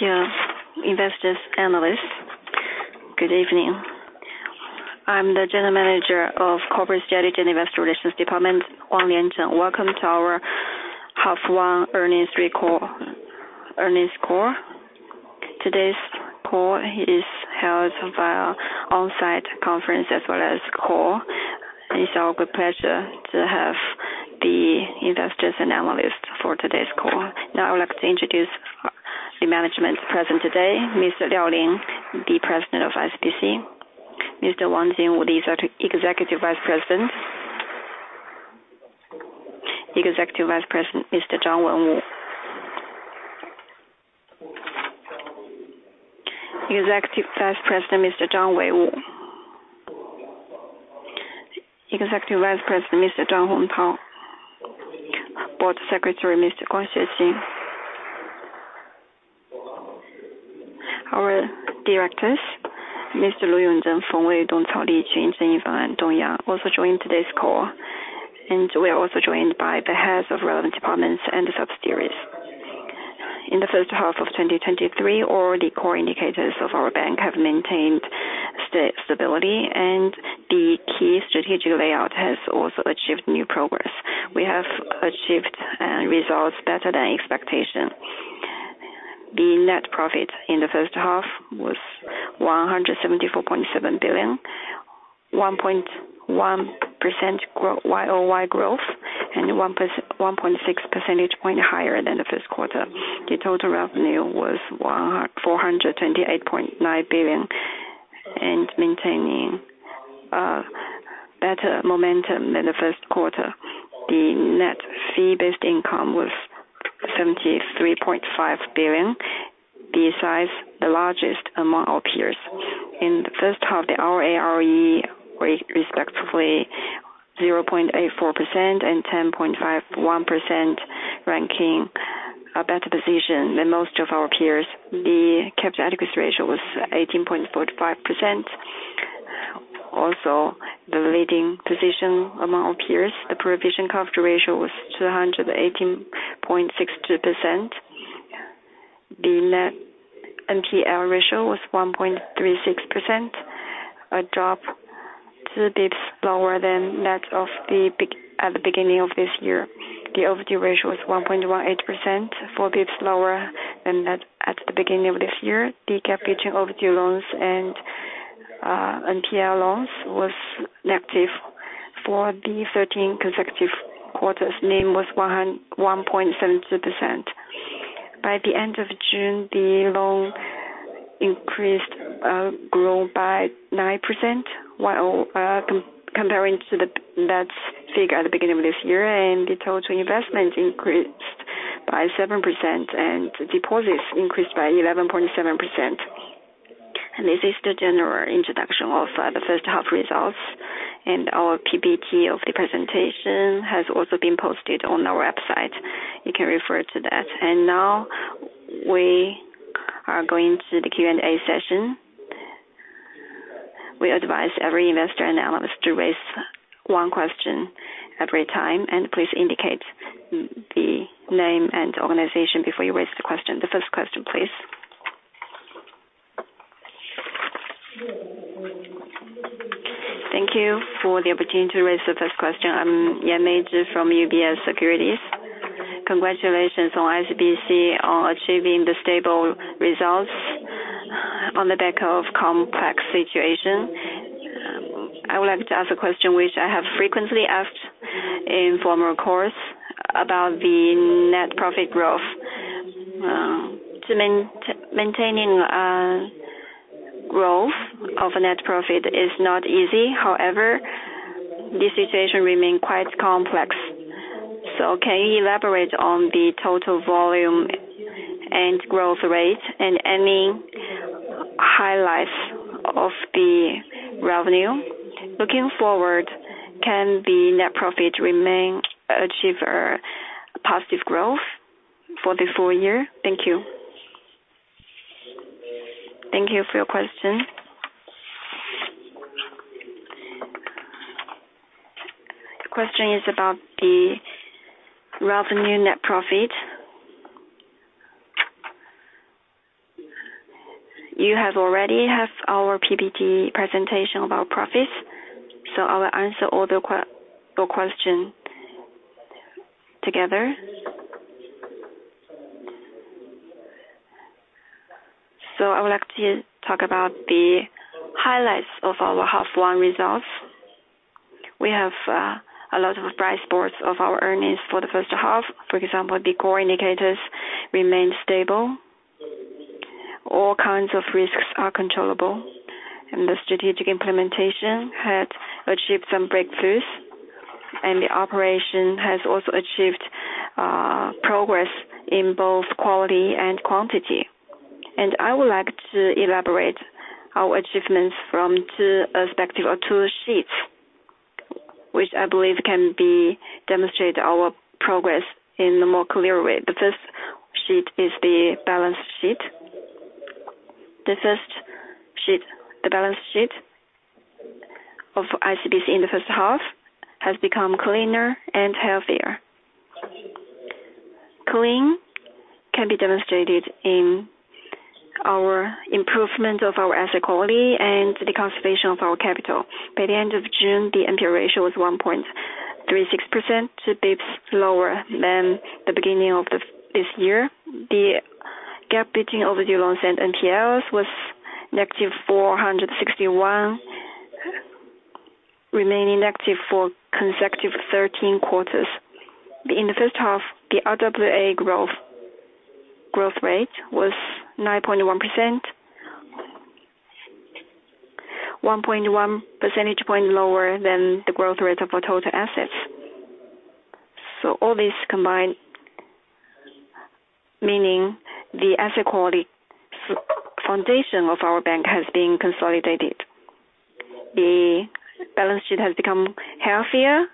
Thank you, investors, analysts. Good evening. I'm the General Manager of Corporate Strategy and Investor Relations Department, Wang Liancheng. Welcome to our H1 earnings call. Today's call is held via on-site conference as well as call. It's our good pleasure to have the investors and analysts for today's call. Now, I would like to introduce the management present today. Mr. Liao Lin, the President of ICBC. Mr. Wang Jingwu, the Executive Vice President. Executive Vice President, Mr. Zhang Wenwu. Executive Vice President, Mr. Zhang Weiwu. Executive Vice President, Mr. Duan Hongtao. Board Secretary, Mr. Guan Xueqing. Our directors, Mr. Lu Yongzhen, Feng Wei, Cao Dong, Li Jun, Chen Yifang, andDong Yang, also joined today's call, and we are also joined by the heads of relevant departments and the subsidiaries. In the first half of 2023, all the core indicators of our bank have maintained stability, and the key strategic layout has also achieved new progress. We have achieved results better than expectation. The net profit in the first half was 174.7 billion, 1.1% YoY growth, and 1.6 percentage points higher than the first quarter. The total revenue was 428.9 billion, and maintaining better momentum than the first quarter. The net fee-based income was 73.5 billion, being the largest among our peers. In the first half, the ROA and ROE were respectively 0.84% and 10.51%, ranking a better position than most of our peers. The capital adequacy ratio was 18.45%, also the leading position among our peers. The provision cover ratio was 218.62%. The net NPL ratio was 1.36%, a drop two basis points lower than that of the big at the beginning of this year. The overdue ratio was 1.18%, four basis points lower than that at the beginning of this year. The gap between overdue loans and NPL loans was negative for the 13 consecutive quarters. NIM was 1.72%. By the end of June, the loan increased, grew by 9%, while comparing to the, that figure at the beginning of this year, and the total investment increased by 7%, and deposits increased by 11.7%. This is the general introduction of the first half results, and our PPT of the presentation has also been posted on our website. You can refer to that. Now, we are going to the Q&A session. We advise every investor and analyst to raise one question every time, and please indicate the name and organization before you raise the question. The first question, please. Thank you for the opportunity to raise the first question. I'm Yan Meizhi from UBS Securities. Congratulations on ICBC on achieving the stable results on the back of complex situation. I would like to ask a question which I have frequently asked in former course about the net profit growth. Maintaining growth of a net profit is not easy. However, the situation remain quite complex. So can you elaborate on the total volume and growth rate and any highlights of the revenue? Looking forward, can the net profit remain, achieve a positive growth for the full year? Thank you. Thank you for your question. The question is about the revenue net profit. You have already have our PPT presentation about profits, so I will answer all the question together. So I would like to talk about the highlights of our half one results. We have a lot of bright spots of our earnings for the first half. For example, the core indicators remain stable. All kinds of risks are controllable, and the strategic implementation had achieved some breakthroughs, and the operation has also achieved progress in both quality and quantity. I would like to elaborate our achievements from two perspective or two sheets, which I believe can be demonstrate our progress in a more clear way. The first sheet is the balance sheet of ICBC in the first half has become cleaner and healthier. Clean can be demonstrated in our improvement of our asset quality and the conservation of our capital. By the end of June, the NPL ratio was 1.36%, two basis points lower than the beginning of this year. The gap between overdue loans and NPLs was -461, remaining negative for consecutive 13 quarters. In the first half, the RWA growth rate was 9.1%. 1.1 percentage point lower than the growth rate of our total assets. So all these combined, meaning the asset quality foundation of our bank has been consolidated. The balance sheet has become healthier,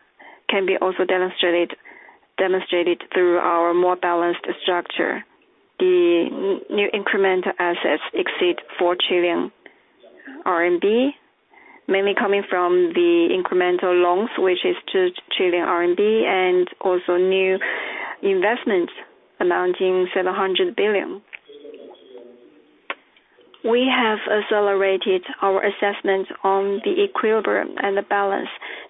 can be also demonstrated through our more balanced structure. The new incremental assets exceed 4 trillion RMB, mainly coming from the incremental loans, which is 2 trillion RMB, and also new investments amounting 700 billion. We have accelerated our assessment on the equilibrium and the balance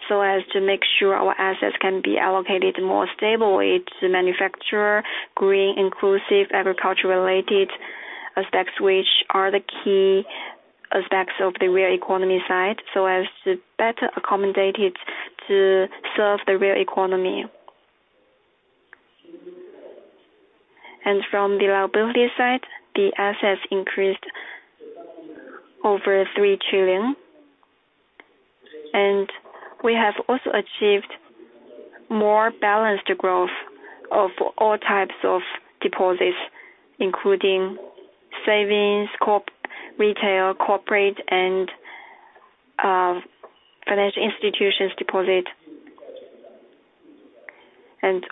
so as to make sure our assets can be allocated more stably to manufacturer, green, inclusive, agriculture-related aspects, which are the key aspects of the real economy side, so as to better accommodated to serve the real economy. And from the liability side, the assets increased over 3 trillion, and we have also achieved more balanced growth of all types of deposits, including savings, corp, retail, corporate, and financial institutions deposit.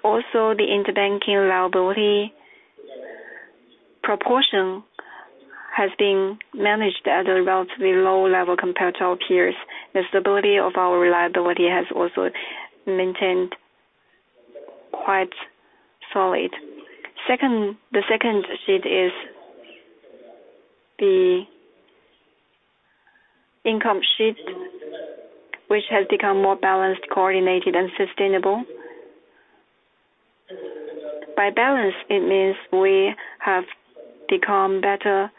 Also the interbanking liability proportion has been managed at a relatively low level compared to our peers. The stability of our liability has also maintained quite solid. Second, the second sheet is the income sheet, which has become more balanced, coordinated, and sustainable. By balance, it means we have become better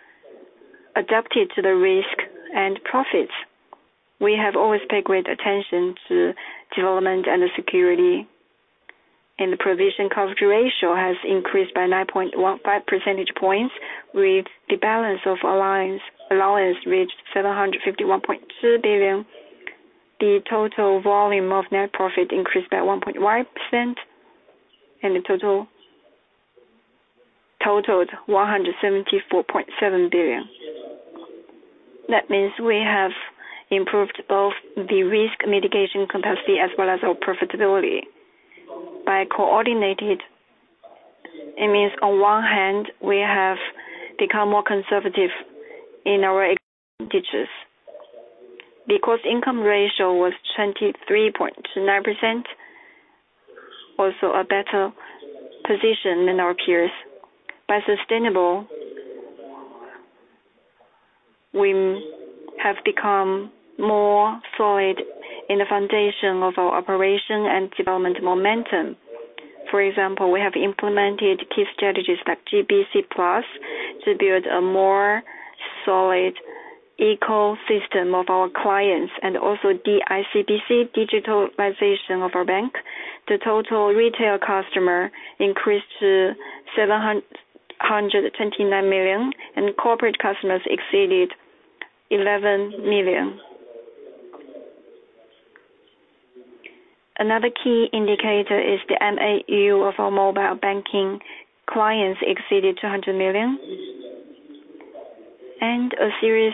adapted to the risk and profits. We have always paid great attention to development and security, and the provision coverage ratio has increased by 9.15 percentage points, with the balance of allowance reached 751.2 billion. The total volume of net profit increased by 1.1% and the total totaled 174.7 billion. That means we have improved both the risk mitigation capacity as well as our profitability. By coordinated, it means on one hand, we have become more conservative in our advantages because income ratio was 23.9%, also a better position than our peers. By sustainable, we have become more solid in the foundation of our operation and development momentum. For example, we have implemented key strategies like GBC Plus to build a more solid ecosystem of our clients and also D-ICBC, digitalization of our bank. The total retail customer increased to 729 million, and corporate customers exceeded 11 million. Another key indicator is the MAU of our mobile banking clients exceeded 200 million. And a series,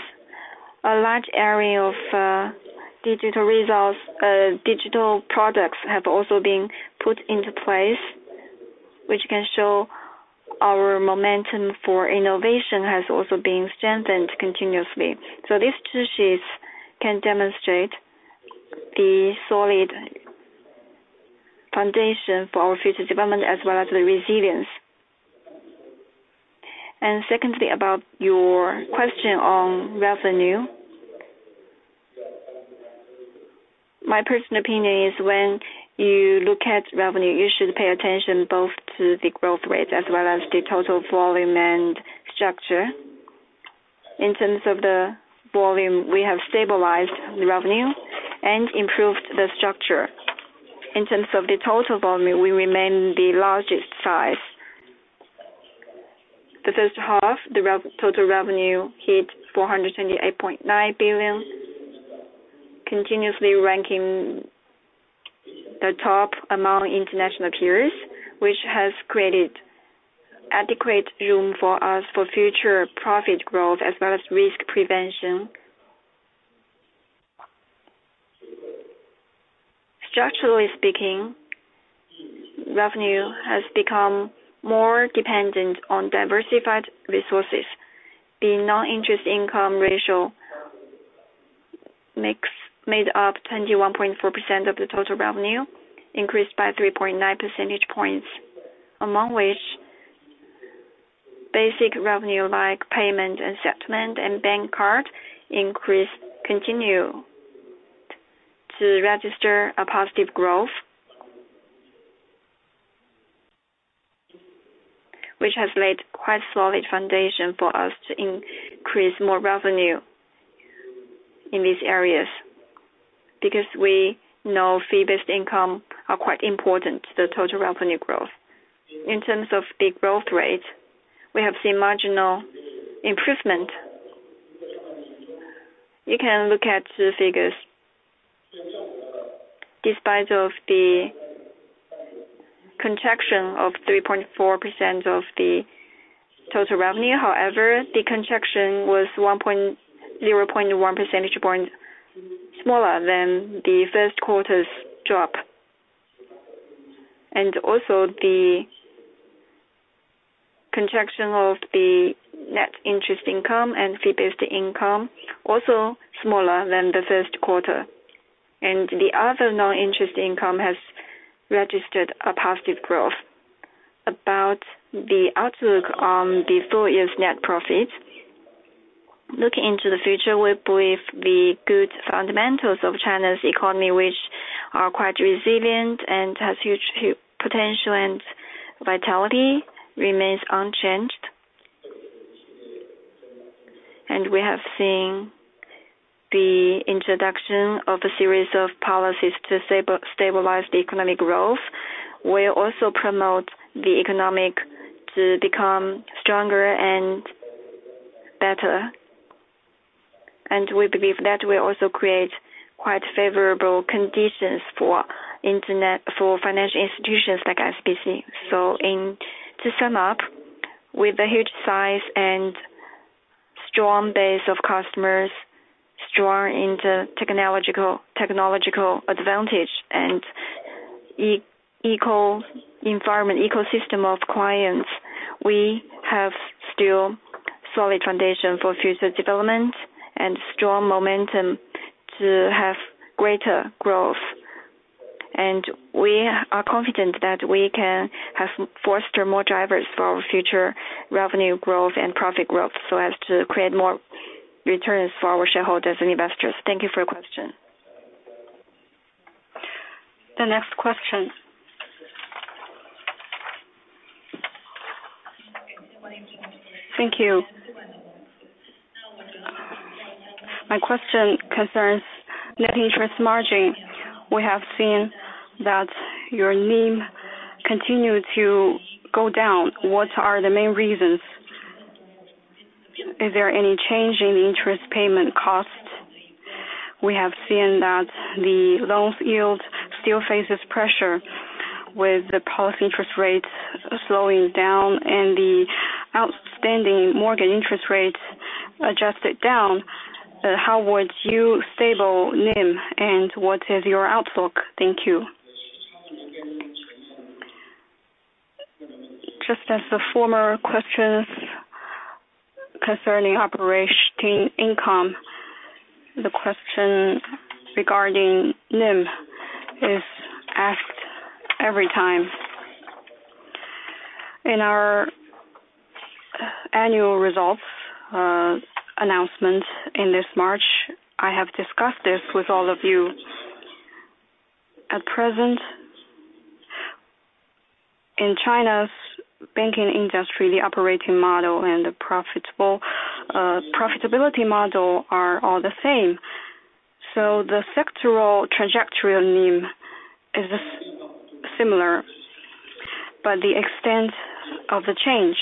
a large area of, digital results, digital products have also been put into place, which can show our momentum for innovation has also been strengthened continuously. These two sheets can demonstrate the solid foundation for our future development as well as the resilience. Secondly, about your question on revenue. My personal opinion is when you look at revenue, you should pay attention both to the growth rate as well as the total volume and structure. In terms of the volume, we have stabilized the revenue and improved the structure. In terms of the total volume, we remain the largest size. The first half, the rev, total revenue hit 488.9 billion, continuously ranking the top among international peers, which has created adequate room for us for future profit growth as well as risk prevention. Structurally speaking, revenue has become more dependent on diversified resources. The non-interest income ratio made up 21.4% of the total revenue, increased by 3.9 percentage points, among which basic revenue like payment and settlement and bank card increase continue to register a positive growth. Which has laid quite solid foundation for us to increase more revenue in these areas, because we know fee-based income are quite important to the total revenue growth. In terms of the growth rate, we have seen marginal improvement. You can look at the figures. Despite of the contraction of 3.4% of the total revenue, however, the contraction was one point, 0.1 percentage point smaller than the first quarter's drop. Also the contraction of the net interest income and fee-based income, also smaller than the first quarter, and the other non-interest income has registered a positive growth. About the outlook on the full year's net profit, looking into the future, we believe the good fundamentals of China's economy, which are quite resilient and has huge potential and vitality, remains unchanged. We have seen the introduction of a series of policies to stabilize the economic growth, will also promote the economic to become stronger and better. We believe that will also create quite favorable conditions for internet, for financial institutions like ICBC. To sum up, with a huge size and strong base of customers, strong into technological advantage and eco-environment, ecosystem of clients, we have still solid foundation for future development and strong momentum to have greater growth. We are confident that we can have foster more drivers for our future revenue growth and profit growth, so as to create more returns for our shareholders and investors. Thank you for your question. The next question? Thank you. My question concerns net interest margin. We have seen that your NIM continue to go down. What are the main reasons? Is there any change in interest payment cost? We have seen that the loan yield still faces pressure with the policy interest rates slowing down and the outstanding mortgage interest rates adjusted down. How would you stabilize NIM, and what is your outlook? Thank you. Just as the former questions concerning operating income, the question regarding NIM is asked every time. In our annual results announcement in this March, I have discussed this with all of you. At present, in China's banking industry, the operating model and the profitable profitability model are all the same. So the sectoral trajectory on NIM is similar, but the extent of the change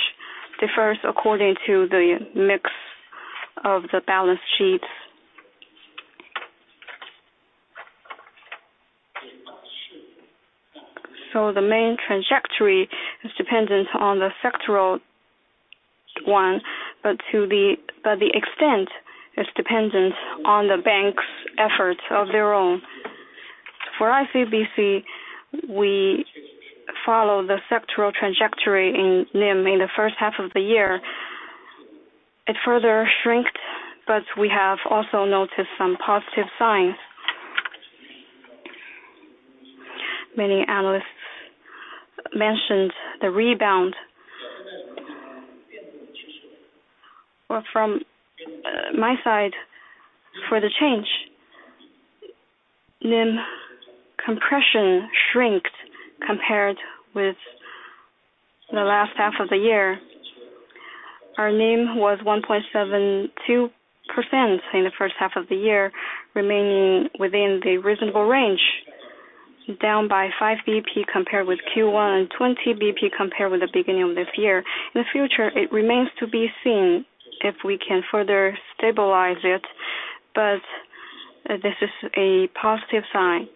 differs according to the mix of the balance sheets. So the main trajectory is dependent on the sectoral one, but the extent is dependent on the bank's efforts of their own. For ICBC, we follow the sectoral trajectory in NIM in the first half of the year. It further shrinked, but we have also noticed some positive signs. Many analysts mentioned the rebound. Well, from my side, for the change, NIM compression shrunk compared with the last half of the year. Our NIM was 1.72% in the first half of the year, remaining within the reasonable range, down by five BP compared with Q1 and 20 BP compared with the beginning of this year. In the future, it remains to be seen if we can further stabilize it, but this is a positive sign.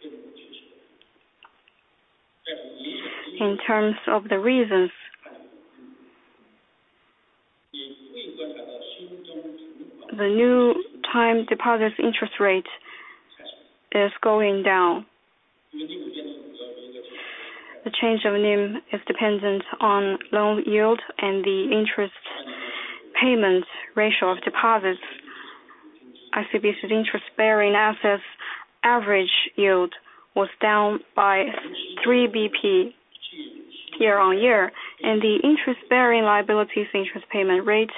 In terms of the reasons- ... The new time deposits interest rate is going down. The change of NIM is dependent on loan yield and the interest payment ratio of deposits. ICBC's interest-bearing assets average yield was down by three basis points year-on-year, and the interest-bearing liabilities interest payment rate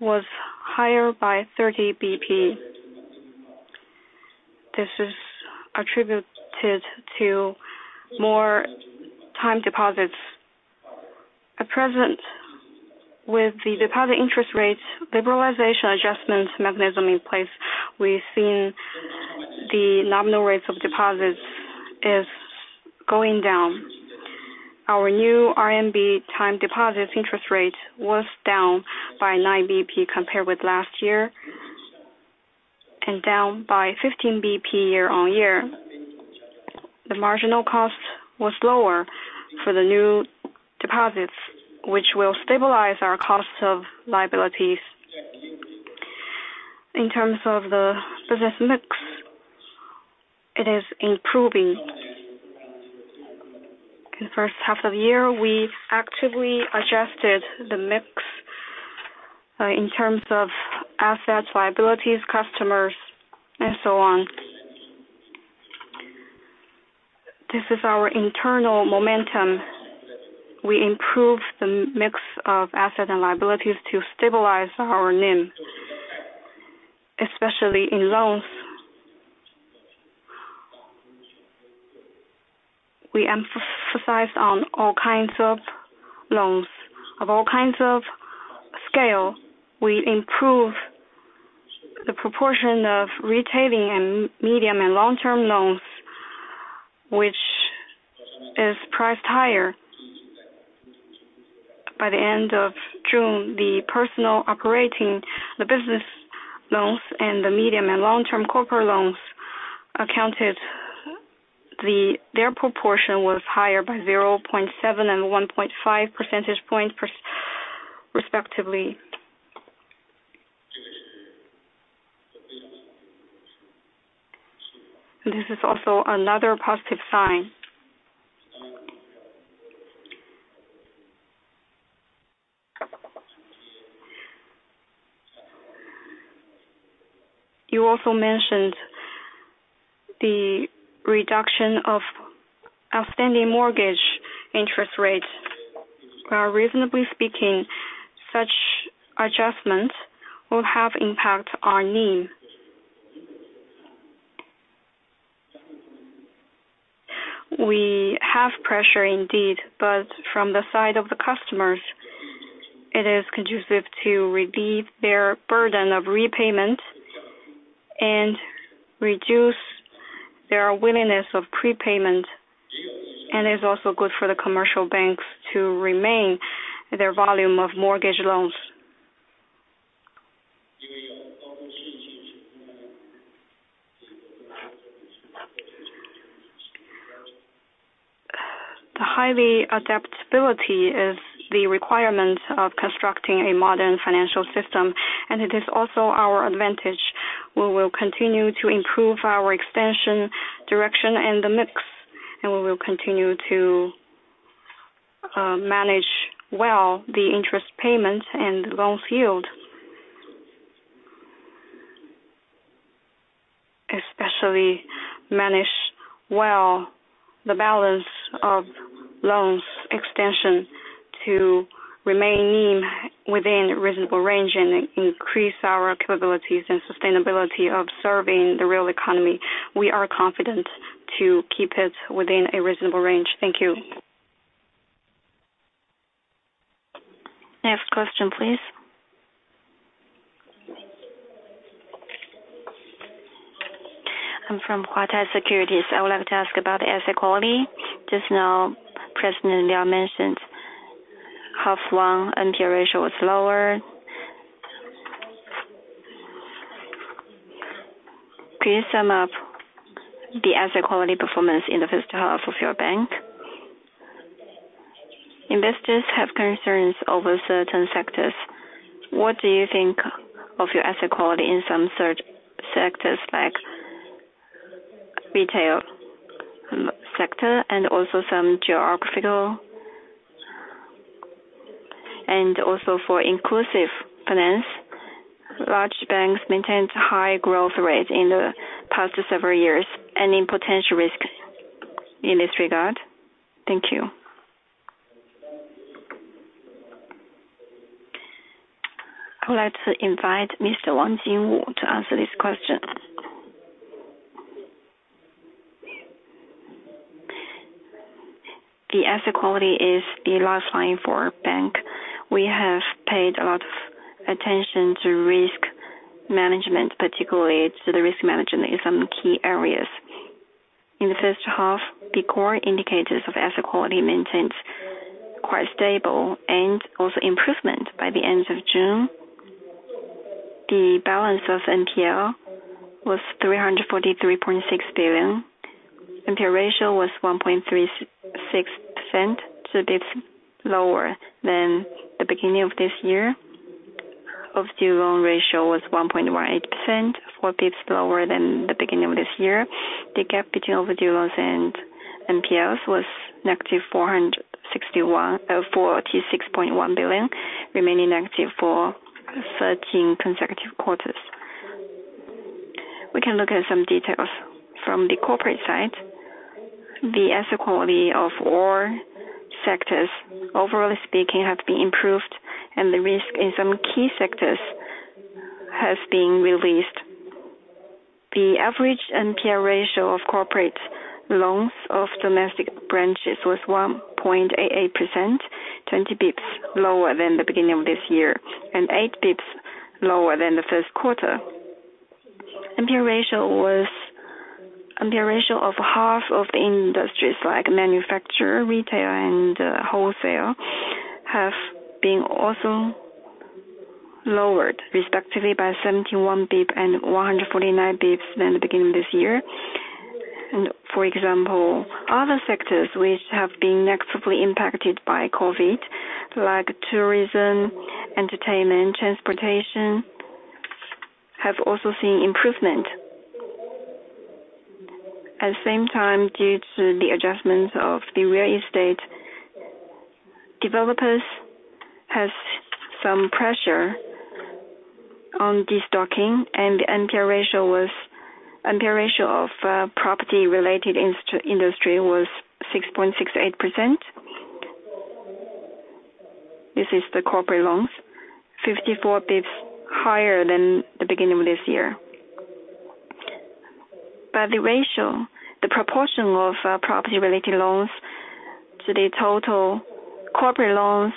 was higher by 30 basis points. This is attributed to more time deposits. At present, with the deposit interest rates, liberalization adjustments mechanism in place, we've seen the nominal rates of deposits is going down. Our new RMB time deposits interest rate was down by nine basis points compared with last year, and down by 15 basis points year-on-year. The marginal cost was lower for the new deposits, which will stabilize our cost of liabilities. In terms of the business mix, it is improving. In the first half of the year, we actively adjusted the mix in terms of assets, liabilities, customers, and so on. This is our internal momentum. We improved the mix of asset and liabilities to stabilize our NIM, especially in loans. We emphasized on all kinds of loans. Of all kinds of scale, we improve the proportion of retailing and medium and long-term loans, which is priced higher. By the end of June, the personal operating, the business loans, and the medium and long-term corporate loans, their proportion was higher by 0.7 and 1.5 percentage points respectively. This is also another positive sign. You also mentioned the reduction of outstanding mortgage interest rates. Well, reasonably speaking, such adjustments will have impact on NIM. We have pressure indeed, but from the side of the customers, it is conducive to relieve their burden of repayment and reduce their willingness of prepayment, and is also good for the commercial banks to remain their volume of mortgage loans. The highly adaptability is the requirement of constructing a modern financial system, and it is also our advantage. We will continue to improve our expansion direction and the mix, and we will continue to manage well the interest payments and loans yield. Especially manage well the balance of loans extension to remain NIM within reasonable range and increase our capabilities and sustainability of serving the real economy. We are confident to keep it within a reasonable range. Thank you. Next question, please. I'm from Huatai Securities. I would like to ask about the asset quality. Just now, President Liao mentioned how strong NPL ratio was lower. Can you sum up the asset quality performance in the first half of your bank? Investors have concerns over certain sectors. What do you think of your asset quality in some such sectors, like retail sector and also some geographical, and also for inclusive finance? Large banks maintained high growth rate in the past several years, any potential risks in this regard? Thank you. I would like to invite Mr. Wang Jingwu to answer this question. The asset quality is the lifeline for bank. We have paid a lot of attention to risk management, particularly to the risk management in some key areas. In the first half, the core indicators of asset quality maintained quite stable and also improvement by the end of June. The balance of NPL was 343.6 billion. NPL ratio was 1.36%, so it's lower than the beginning of this year. Overdue loan ratio was 1.18%, four basis points lower than the beginning of this year. The gap between overdue loans and NPLs was negative 461.46 billion, remaining negative for 13 consecutive quarters. We can look at some details. From the corporate side, the asset quality of all sectors, overall speaking, have been improved, and the risk in some key sectors has been released. The average NPL ratio of corporate loans of domestic branches was 1.88%, 20 basis points lower than the beginning of this year, and 8 basis points lower than the first quarter. NPL ratio of half of the industries like manufacturer, retail, and wholesale have been also lowered, respectively, by 71 basis points and 149 basis points than the beginning of this year. And for example, other sectors which have been negatively impacted by COVID, like tourism, entertainment, transportation, have also seen improvement. At the same time, due to the adjustments of the real estate, developers have some pressure on destocking, and the NPL ratio of property-related industry was 6.68%. This is the corporate loans, 54 basis points higher than the beginning of this year. By the ratio, the proportion of property-related loans to the total corporate loans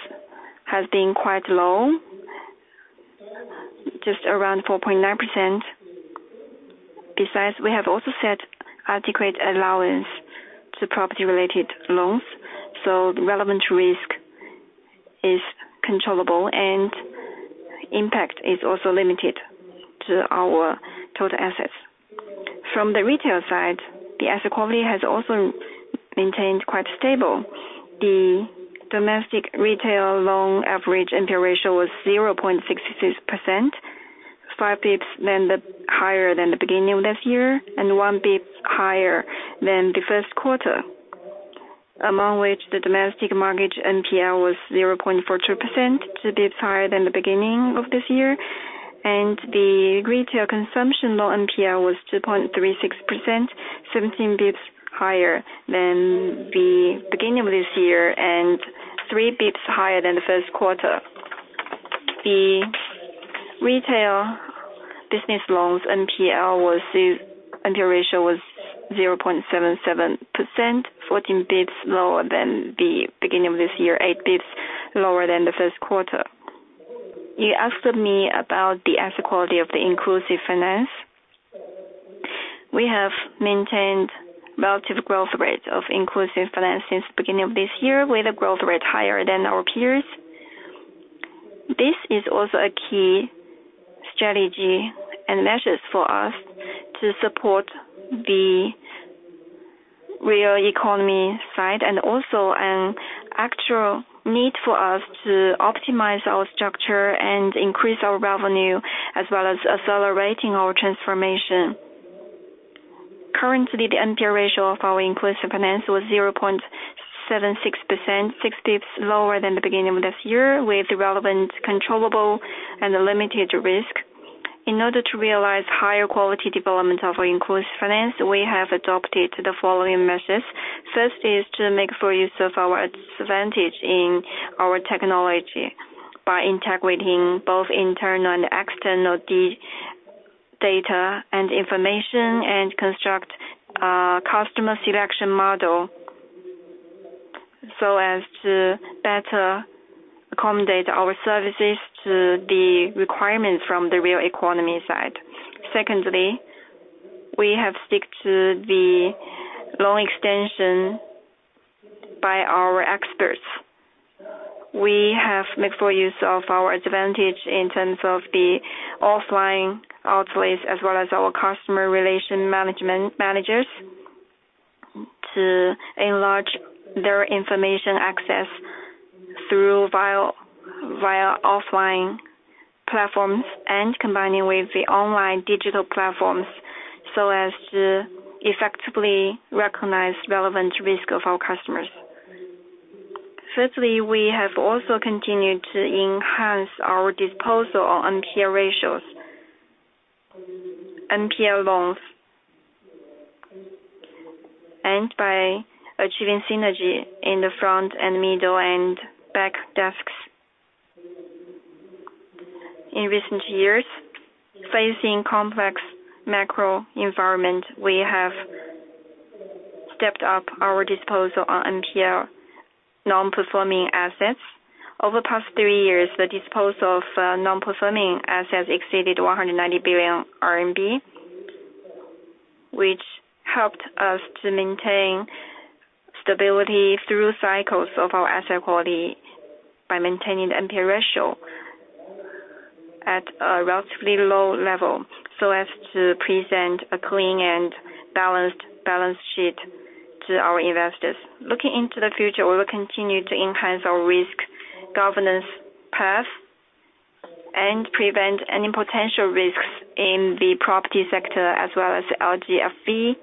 has been quite low, just around 4.9%. Besides, we have also set adequate allowance to property-related loans, so the relevant risk is controllable and impact is also limited to our total assets. From the retail side, the asset quality has also maintained quite stable. The domestic retail loan average NPL ratio was 0.66%, five basis points higher than the beginning of this year, and one basis point higher than the first quarter. Among which, the domestic mortgage NPL was 0.42%, 2 basis points higher than the beginning of this year, and the retail consumption loan NPL was 2.36%, 17 basis points higher than the beginning of this year and three basis points higher than the first quarter. The retail business loans NPL ratio was 0.77%, 14 basis points lower than the beginning of this year, 8 basis points lower than the first quarter. You asked me about the asset quality of the inclusive finance. We have maintained relative growth rate of inclusive finance since the beginning of this year, with a growth rate higher than our peers. This is also a key strategy and measures for us to support the real economy side, and also an actual need for us to optimize our structure and increase our revenue, as well as accelerating our transformation. Currently, the NPL ratio of our inclusive finance was 0.76%, six basis points lower than the beginning of this year, with relevant, controllable, and limited risk. In order to realize higher quality development of inclusive finance, we have adopted the following measures. First is to make full use of our advantage in our technology by integrating both internal and external data and information, and construct a customer selection model, so as to better accommodate our services to the requirements from the real economy side. Secondly, we have stick to the loan extension by our experts. We have made full use of our advantage in terms of the offline outlets, as well as our customer relation management managers, to enlarge their information access through via offline platforms and combining with the online digital platforms, so as to effectively recognize relevant risk of our customers. Thirdly, we have also continued to enhance our disposal on NPL ratios, NPL loans, and by achieving synergy in the front and middle and back desks. In recent years, facing complex macro environment, we have stepped up our disposal on NPL non-performing assets. Over the past three years, the disposal of non-performing assets exceeded 190 billion RMB, which helped us to maintain stability through cycles of our asset quality by maintaining the NPL ratio. ... at a relatively low level, so as to present a clean and balanced balance sheet to our investors. Looking into the future, we will continue to enhance our risk governance path and prevent any potential risks in the property sector, as well as LGFV,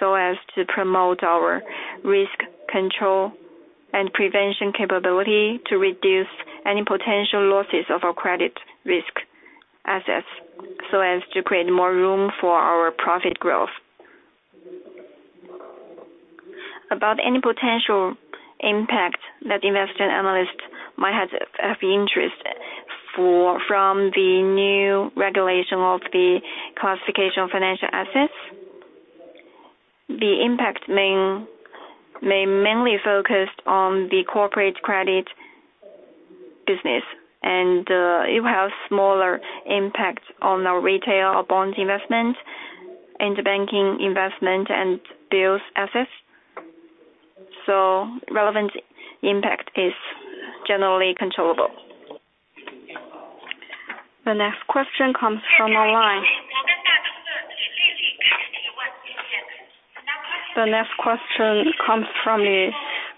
so as to promote our risk control and prevention capability to reduce any potential losses of our credit risk assets, so as to create more room for our profit growth. About any potential impact that investor and analyst might have interest for—from the new regulation of the classification of financial assets, the impact mainly focused on the corporate credit business, and it will have smaller impacts on our retail bond investment and the banking investment and bills assets. So relevant impact is generally controllable. The next question comes from the line. The next question comes from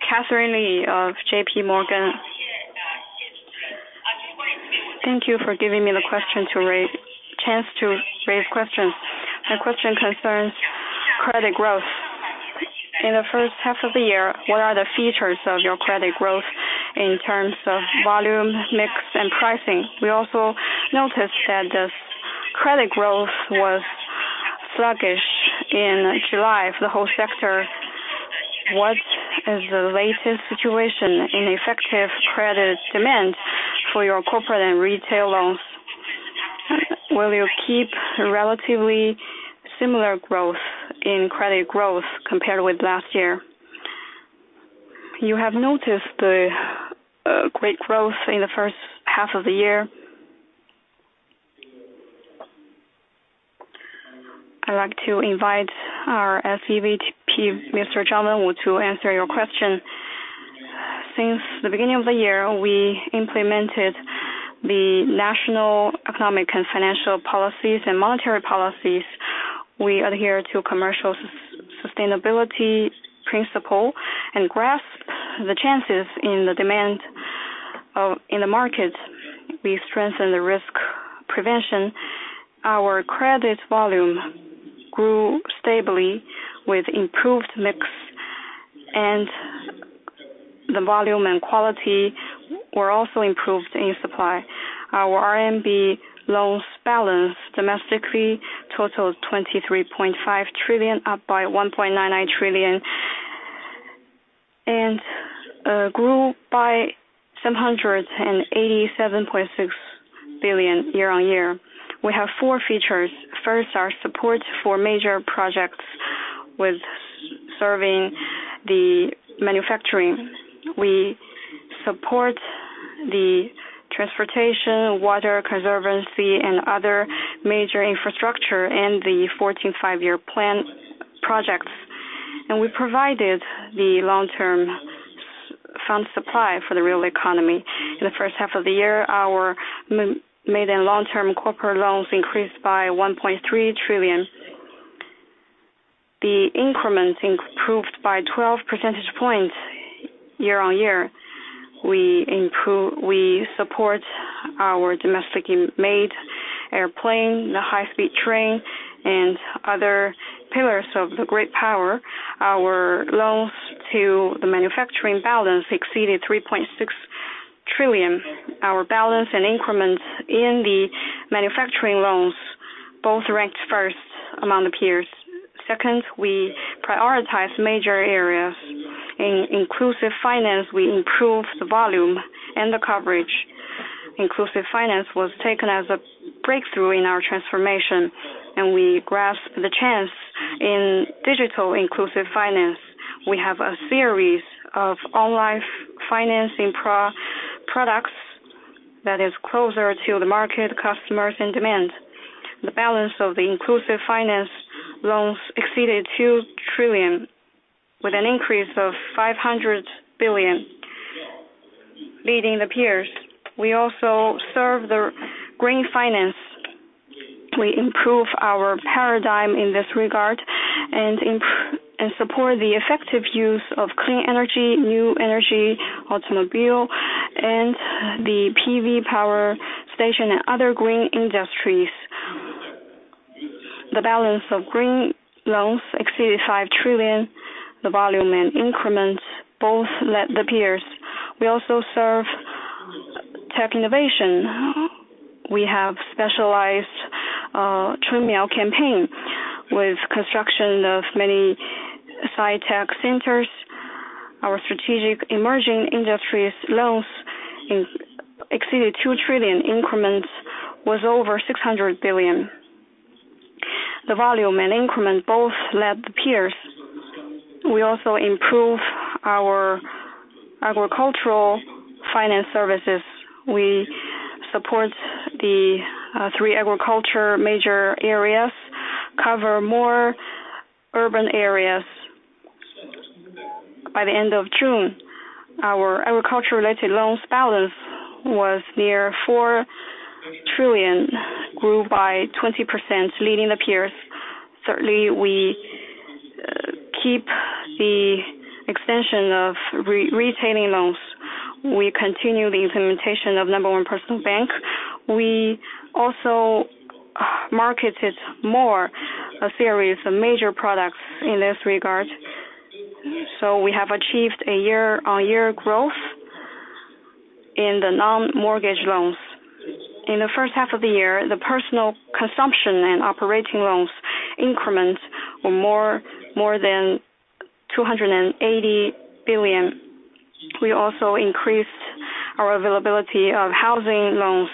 Katherine Lei of JP Morgan. Thank you for giving me the chance to raise questions. My question concerns credit growth. In the first half of the year, what are the features of your credit growth in terms of volume, mix, and pricing? We also noticed that the credit growth was sluggish in July, the whole sector. What is the latest situation in effective credit demand for your corporate and retail loans? Will you keep a relatively similar growth in credit growth compared with last year? You have noticed the great growth in the first half of the year. I'd like to invite our SEVP, Mr. Zhang Wenwu, to answer your question. Since the beginning of the year, we implemented the national economic and financial policies and monetary policies. We adhere to commercial sustainability principle and grasp the chances in the demand of, in the market. We strengthen the risk prevention. Our credit volume grew stably with improved mix, and the volume and quality were also improved in supply. Our RMB loans balance domestically totaled 23.5 trillion, up by 1.99 trillion, and grew by 187.6 billion year-on-year. We have four features. First, our support for major projects with serving the manufacturing. We support the transportation, water conservancy, and other major infrastructure in the 14th Five-Year Plan projects. We provided the long-term fund supply for the real economy. In the first half of the year, our medium- and long-term corporate loans increased by 1.3 trillion. The increments improved by 12 percentage points year-on-year. We support our domestically made airplane, the high-speed train, and other pillars of the great power. Our loans to the manufacturing balance exceeded 3.6 trillion. Our balance and increments in the manufacturing loans both ranked first among the peers. Second, we prioritize major areas. In inclusive finance, we improved the volume and the coverage. Inclusive finance was taken as a breakthrough in our transformation, and we grasp the chance in digital inclusive finance. We have a series of online financing products that is closer to the market, customers, and demand. The balance of the inclusive finance loans exceeded 2 trillion, with an increase of 500 billion, leading the peers. We also serve the green finance. We improve our paradigm in this regard and support the effective use of clean energy, new energy, automobile, and the PV power station and other green industries. The balance of green loans exceeded 5 trillion, the volume and increments both led the peers. We also serve tech innovation. We have specialized Chunmiao campaign with construction of many sci-tech centers. Our strategic emerging industries loans exceeded 2 trillion, increments was over 600 billion. The volume and increment both led the peers. We also improve our agricultural finance services. We support the three agriculture major areas, cover more urban areas. By the end of June, our agriculture-related loans balance was near 4 trillion, grew by 20%, leading the peers. Certainly, we keep the extension of retailing loans. We continue the implementation of number one personal bank. We also marketed more a series of major products in this regard. So we have achieved a year-on-year growth in the non-mortgage loans. In the first half of the year, the personal consumption and operating loans increments were more than 280 billion. We also increased our availability of housing loans.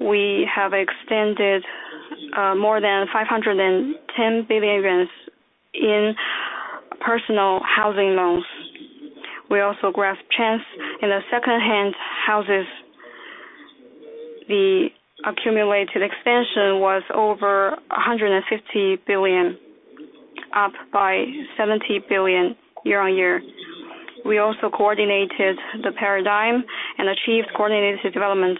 We have extended more than 510 billion yuan in personal housing loans. We also grasped chance in the second-hand houses. The accumulated extension was over 150 billion, up by 70 billion year-on-year. We also coordinated the paradigm and achieved coordinated development.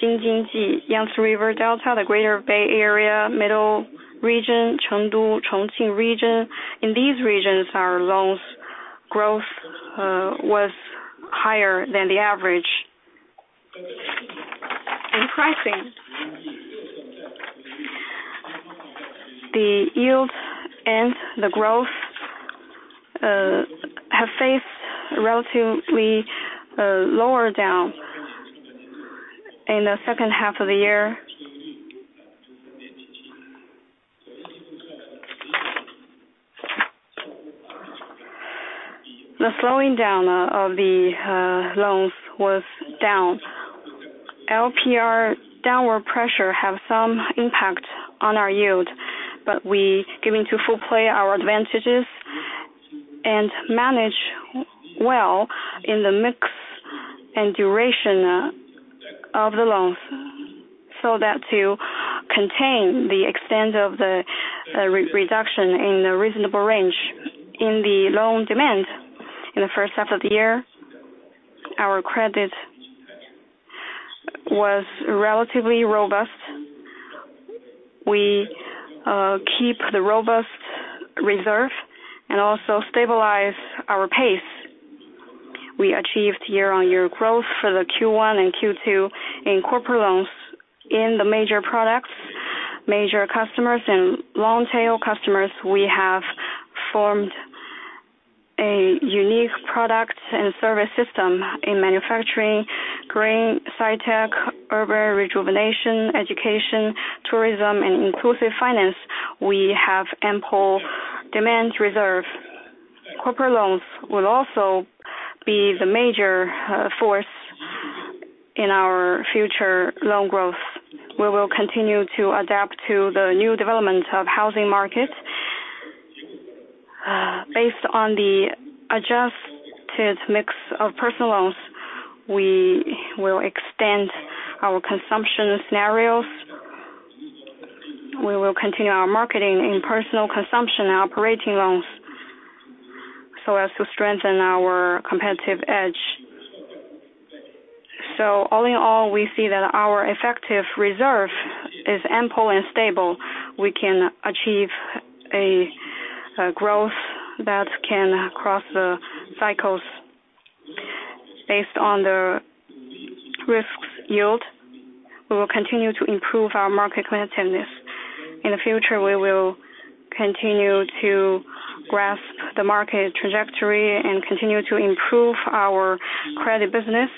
Jing-Jin-Ji, Yangtze River Delta, the Greater Bay Area, Middle Region, Chengdu, Chongqing region. In these regions, our loans growth was higher than the average. In pricing, the yield and the growth have faced relatively lower down. In the second half of the year, the slowing down of the loans was down. LPR downward pressure have some impact on our yield, but we giving to full play our advantages and manage well in the mix and duration of the loans, so that to contain the extent of the reduction in a reasonable range. In the loan demand in the first half of the year, our credit was relatively robust. We keep the robust reserve and also stabilize our pace. We achieved year-on-year growth for the Q1 and Q2 in corporate loans. In the major products, major customers and long tail customers, we have formed a unique product and service system in manufacturing, green, sci-tech, urban rejuvenation, education, tourism, and inclusive finance. We have ample demand reserve. Corporate loans will also be the major force in our future loan growth. We will continue to adapt to the new development of housing market. Based on the adjusted mix of personal loans, we will extend our consumption scenarios. We will continue our marketing in personal consumption and operating loans, so as to strengthen our competitive edge. So all in all, we see that our effective reserve is ample and stable. We can achieve a growth that can cross the cycles. Based on the risk yield, we will continue to improve our market competitiveness. In the future, we will continue to grasp the market trajectory and continue to improve our credit business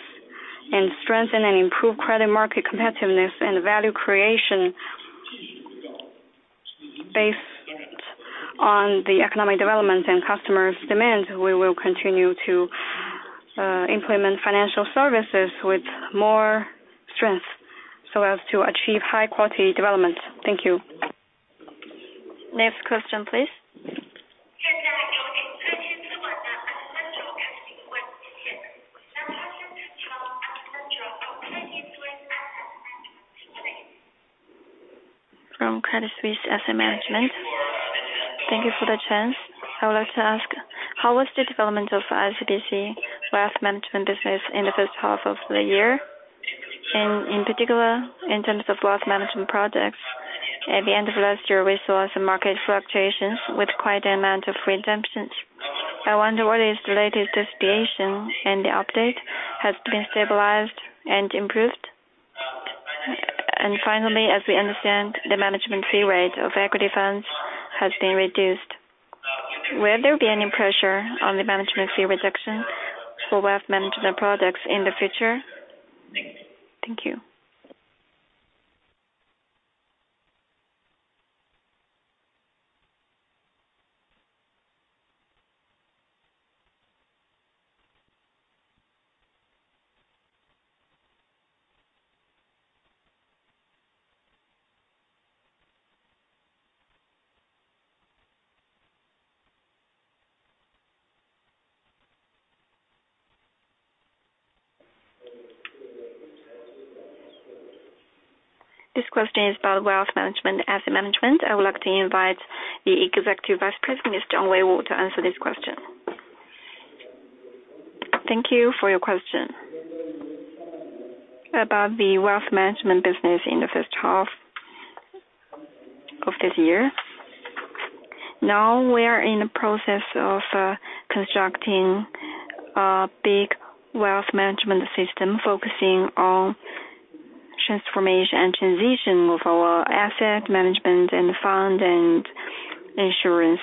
and strengthen and improve credit market competitiveness and value creation. Based on the economic development and customers' demand, we will continue to implement financial services with more strength, so as to achieve high quality development. Thank you. Next question, please. From Credit Suisse Asset Management. Thank you for the chance. I would like to ask, how was the development of ICBC wealth management business in the first half of the year? And in particular, in terms of wealth management products, at the end of last year, we saw some market fluctuations with quite an amount of redemptions. I wonder, what is the latest deviation, and the update, has been stabilized and improved? And finally, as we understand, the management fee rate of equity funds has been reduced. Will there be any pressure on the management fee reduction for wealth management products in the future? Thank you. This question is about wealth management, asset management. I would like to invite the Executive Vice President, Mr. Wang Jingwu, to answer this question. Thank you for your question. About the wealth management business in the first half of this year, now we are in the process of constructing a big wealth management system, focusing on transformation and transition of our asset management and fund and insurance.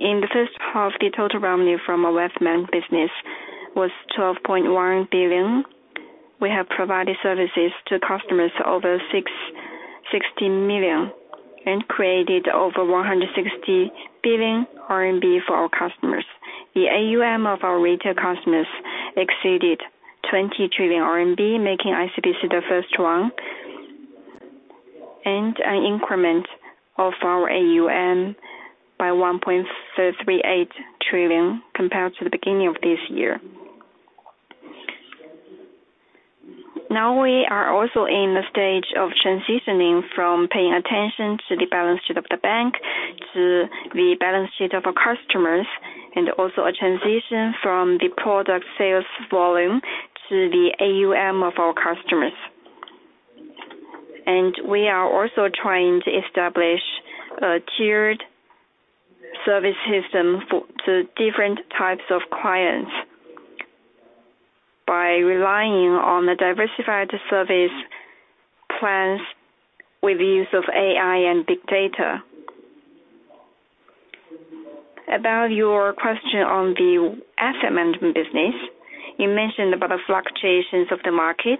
In the first half, the total revenue from our wealth management business was 12.1 billion. We have provided services to customers over 60 million, and created over 160 billion RMB for our customers. The AUM of our retail customers exceeded 20 trillion RMB, making ICBC the first one, and an increment of our AUM by 1.38 trillion compared to the beginning of this year. Now we are also in the stage of transitioning from paying attention to the balance sheet of the bank, to the balance sheet of our customers, and also a transition from the product sales volume to the AUM of our customers. We are also trying to establish a tiered service system for to different types of clients by relying on the diversified service plans with the use of AI and big data. About your question on the asset management business, you mentioned about the fluctuations of the market,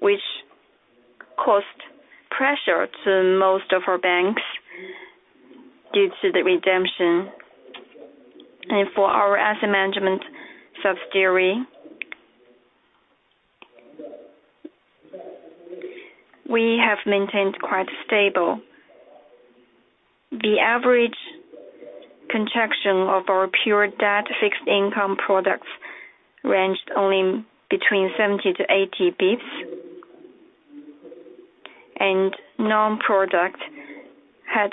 which caused pressure to most of our banks due to the redemption. For our asset management subsidiary, we have maintained quite stable. The average contraction of our pure debt fixed income products ranged only between 70-80 basis points, and non-product had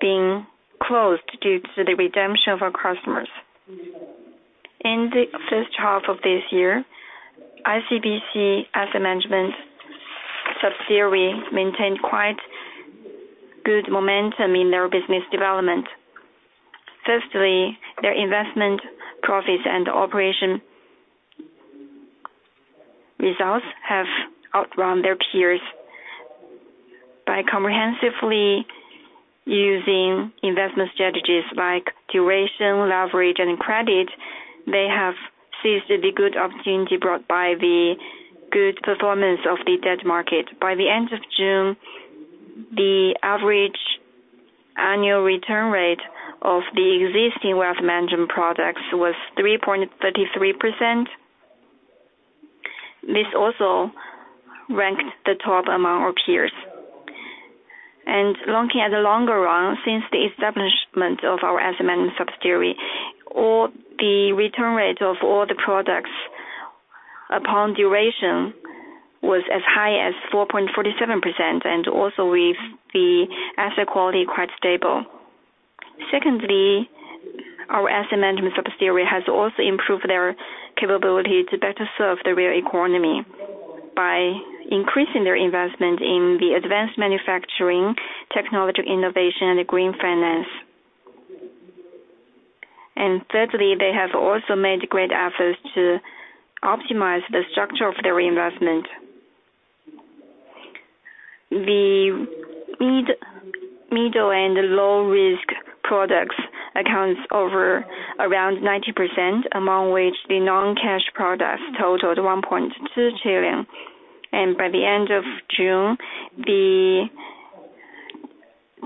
been closed due to the redemption of our customers. In the first half of this year, ICBC asset management subsidiary maintained quite good momentum in their business development. Firstly, their investment profits and operation results have outrun their peers. By comprehensively using investment strategies like duration, leverage, and credit, they have seized the good opportunity brought by the good performance of the debt market. By the end of June, the average annual return rate of the existing wealth management products was 3.33%. This also ranked the top among our peers. Looking at the longer run, since the establishment of our asset management subsidiary, all the return rate of all the products upon duration was as high as 4.47%, and also with the asset quality quite stable. Secondly, our asset management subsidiary has also improved their capability to better serve the real economy by increasing their investment in the advanced manufacturing, technology innovation, and green finance. And thirdly, they have also made great efforts to optimize the structure of their investment. The mid, middle and low risk products accounts over around 90%, among which the non-cash products totaled 1.2 trillion. And by the end of June, the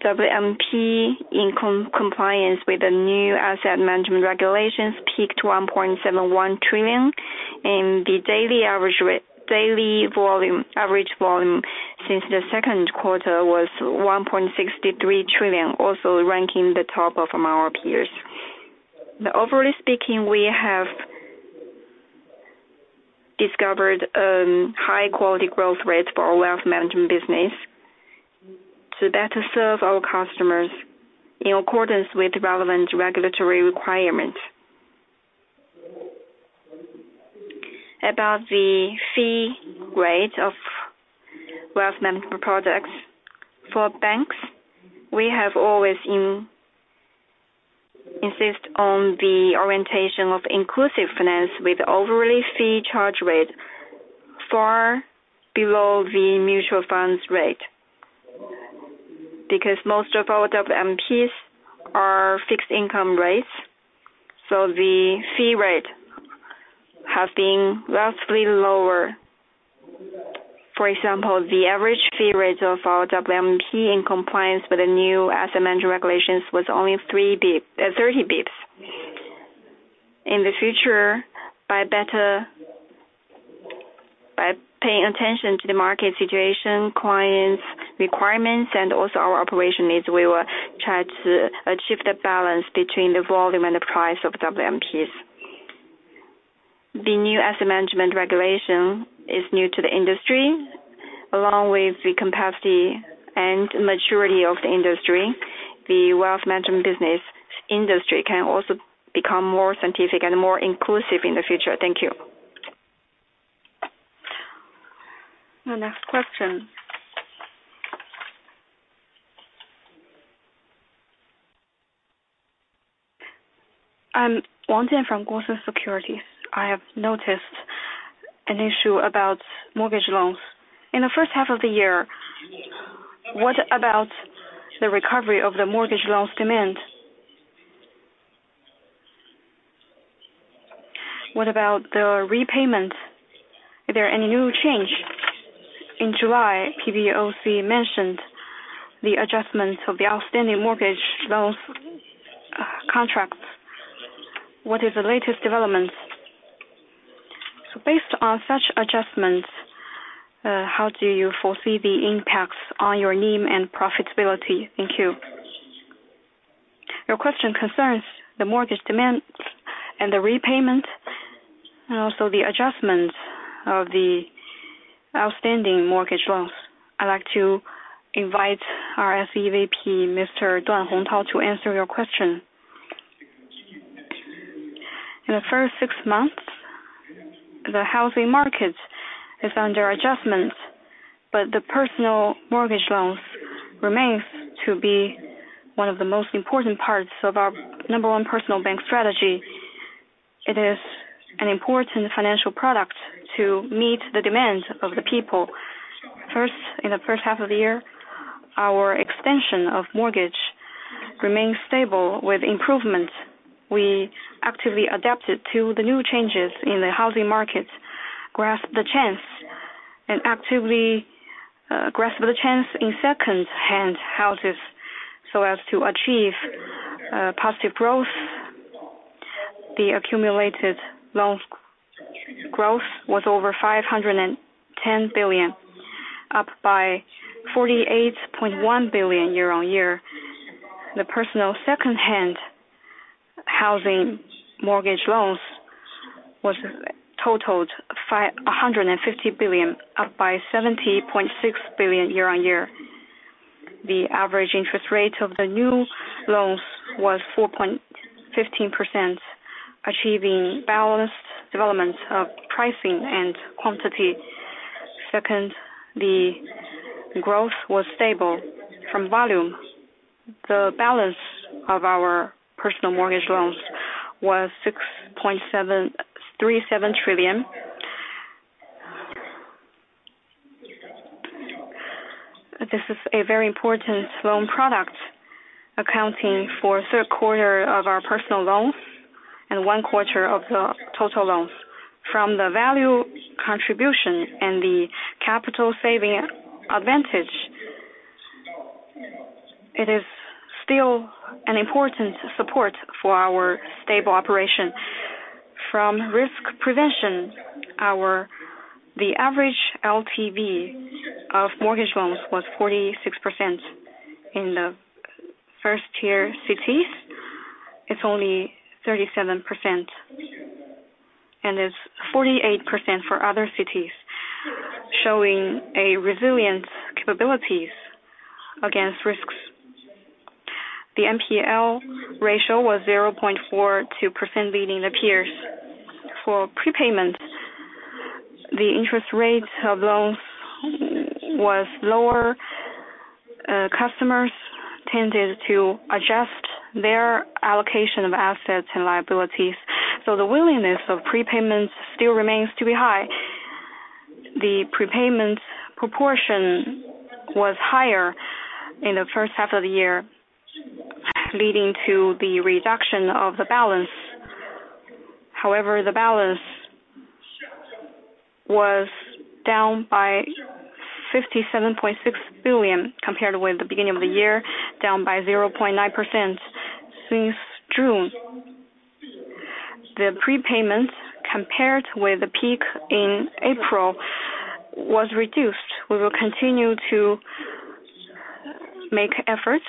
WMP in compliance with the new asset management regulations peaked 1.71 trillion, and the daily average daily volume, average volume since the second quarter was 1.63 trillion, also ranking the top among our peers. But overall speaking, we have discovered high quality growth rates for our wealth management business to better serve our customers in accordance with relevant regulatory requirements. About the fee rate of wealth management products for banks, we have always insist on the orientation of inclusive finance, with overall fee charge rate far below the mutual funds rate, because most of our WMPs are fixed income rates, so the fee rate have been vastly lower. For example, the average fee rates of our WMP in compliance with the new asset management regulations was only 3 basis points, thirty basis points. In the future, by paying attention to the market situation, clients-... requirements and also our operation needs, we will try to achieve the balance between the volume and the price of WMPs. The new asset management regulation is new to the industry, along with the capacity and maturity of the industry. The wealth management business industry can also become more scientific and more inclusive in the future. Thank you. The next question? I'm Jinghan Wang from Guosen Securities. I have noticed an issue about mortgage loans. In the first half of the year, what about the recovery of the mortgage loans demand? What about the repayment? Are there any new change? In July, PBOC mentioned the adjustments of the outstanding mortgage loans contracts. What is the latest developments? So based on such adjustments, how do you foresee the impacts on your NIM and profitability? Thank you. Your question concerns the mortgage demand and the repayment, and also the adjustments of the outstanding mortgage loans. I'd like to invite our SEVP, Mr. Duan Hongtao, to answer your question. In the first six months, the housing market is under adjustment, but the personal mortgage loans remains to be one of the most important parts of our number one personal bank strategy. It is an important financial product to meet the demands of the people. First, in the first half of the year, our extension of mortgage remained stable with improvements. We actively adapted to the new changes in the housing market, grasp the chance and actively, grasp the chance in second-hand houses so as to achieve, positive growth. The accumulated loans growth was over 510 billion, up by 48.1 billion year-on-year. The personal second-hand housing mortgage loans totaled 150 billion, up by 70.6 billion year-on-year. The average interest rate of the new loans was 4.15%, achieving balanced development of pricing and quantity. Second, the growth was stable from volume. The balance of our personal mortgage loans was 6.737 trillion. This is a very important loan product, accounting for third quarter of our personal loans and one quarter of the total loans. From the value contribution and the capital saving advantage, it is still an important support for our stable operation. From risk prevention, our average LTV of mortgage loans was 46%. In the first-tier cities, it's only 37%, and it's 48% for other cities, showing a resilient capabilities against risks. The NPL ratio was 0.42%, leading the peers. For prepayment, the interest rates of loans was lower. Customers tended to adjust their allocation of assets and liabilities, so the willingness of prepayments still remains to be high. The prepayment proportion was higher in the first half of the year, leading to the reduction of the balance. However, the balance was down by 57.6 billion, compared with the beginning of the year, down by 0.9% since June. The prepayment, compared with the peak in April, was reduced. We will continue to make efforts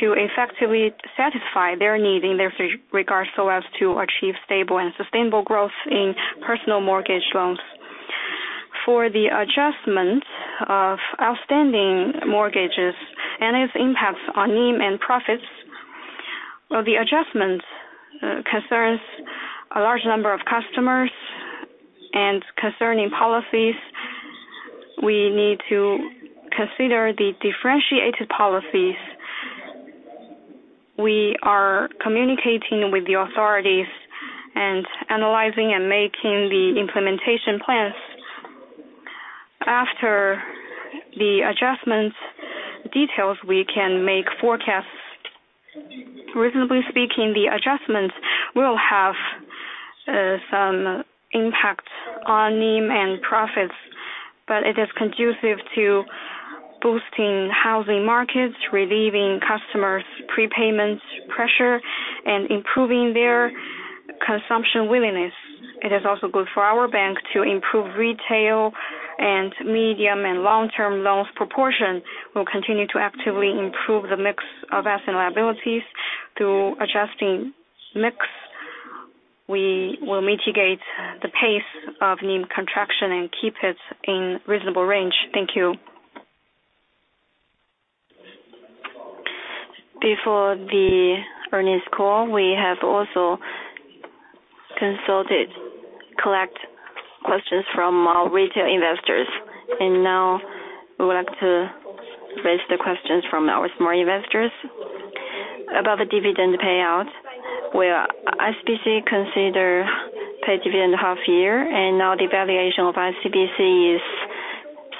to effectively satisfy their need in their regards, so as to achieve stable and sustainable growth in personal mortgage loans. For the adjustment of outstanding mortgages and its impacts on NIM and profits, well, the adjustment concerns a large number of customers and concerning policies, we need to consider the differentiated policies. We are communicating with the authorities and analyzing and making the implementation plans. After the adjustments details, we can make forecasts. Reasonably speaking, the adjustments will have some impact on NIM and profits, but it is conducive to boosting housing markets, relieving customers' prepayments pressure, and improving their-... consumption willingness. It is also good for our bank to improve retail and medium and long-term loans proportion. We'll continue to actively improve the mix of asset liabilities. Through adjusting mix, we will mitigate the pace of NIM contraction and keep it in reasonable range. Thank you. Before the earnings call, we have also consulted, collect questions from our retail investors, and now we would like to raise the questions from our small investors. About the dividend payout, will ICBC consider pay dividend half year, and now the valuation of ICBC is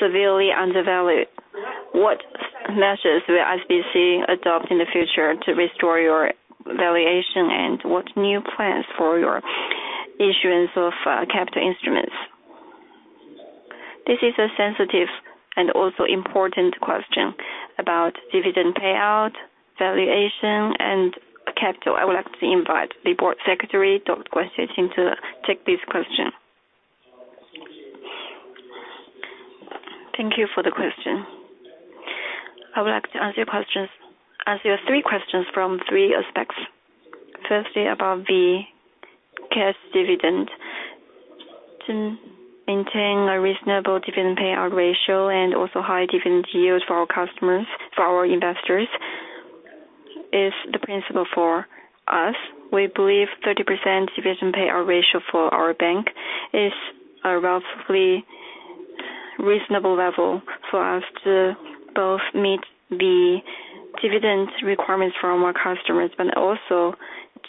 severely undervalued. What measures will ICBC adopt in the future to restore your valuation, and what new plans for your issuance of, capital instruments? This is a sensitive and also important question about dividend payout, valuation, and capital. I would like to invite the board secretary, Dr. Guan Xueqing, to take this question. Thank you for the question. I would like to answer your questions, answer your three questions from three aspects. Firstly, about the cash dividend. To maintain a reasonable dividend payout ratio and also high dividend yield for our customers, for our investors, is the principle for us. We believe 30% dividend payout ratio for our bank is a roughly reasonable level for us to both meet the dividend requirements from our customers, but also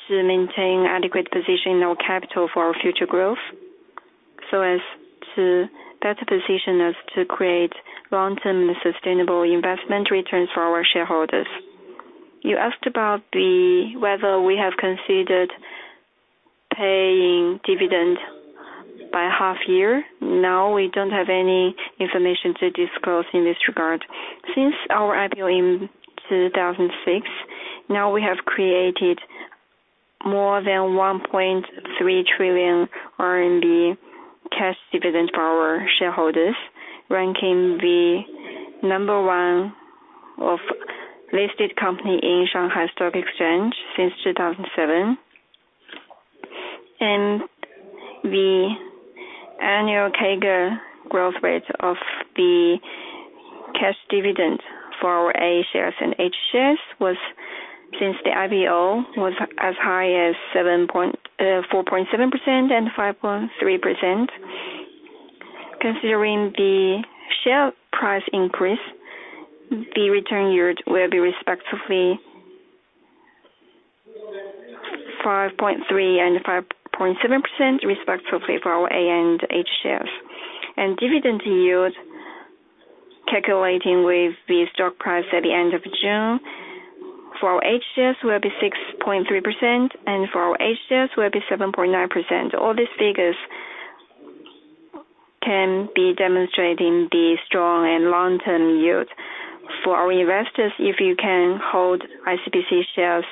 to maintain adequate position in our capital for our future growth, so as to better position us to create long-term and sustainable investment returns for our shareholders. You asked about the... whether we have considered paying dividend by half year. No, we don't have any information to disclose in this regard. Since our IPO in 2006, now we have created more than 1.3 trillion RMB cash dividend for our shareholders, ranking number one of listed company in Shanghai Stock Exchange since 2007. The annual CAGR growth rate of the cash dividend for our A shares and H shares was, since the IPO, was as high as seven point, four point seven percent and five point three percent. Considering the share price increase, the return yield will be respectively five point three and five point seven percent, respectfully, for our A and H shares. Dividend yield, calculating with the stock price at the end of June, for our H shares will be six point three percent, and for our H shares will be seven point nine percent. All these figures can be demonstrating the strong and long-term yield for our investors if you can hold ICBC shares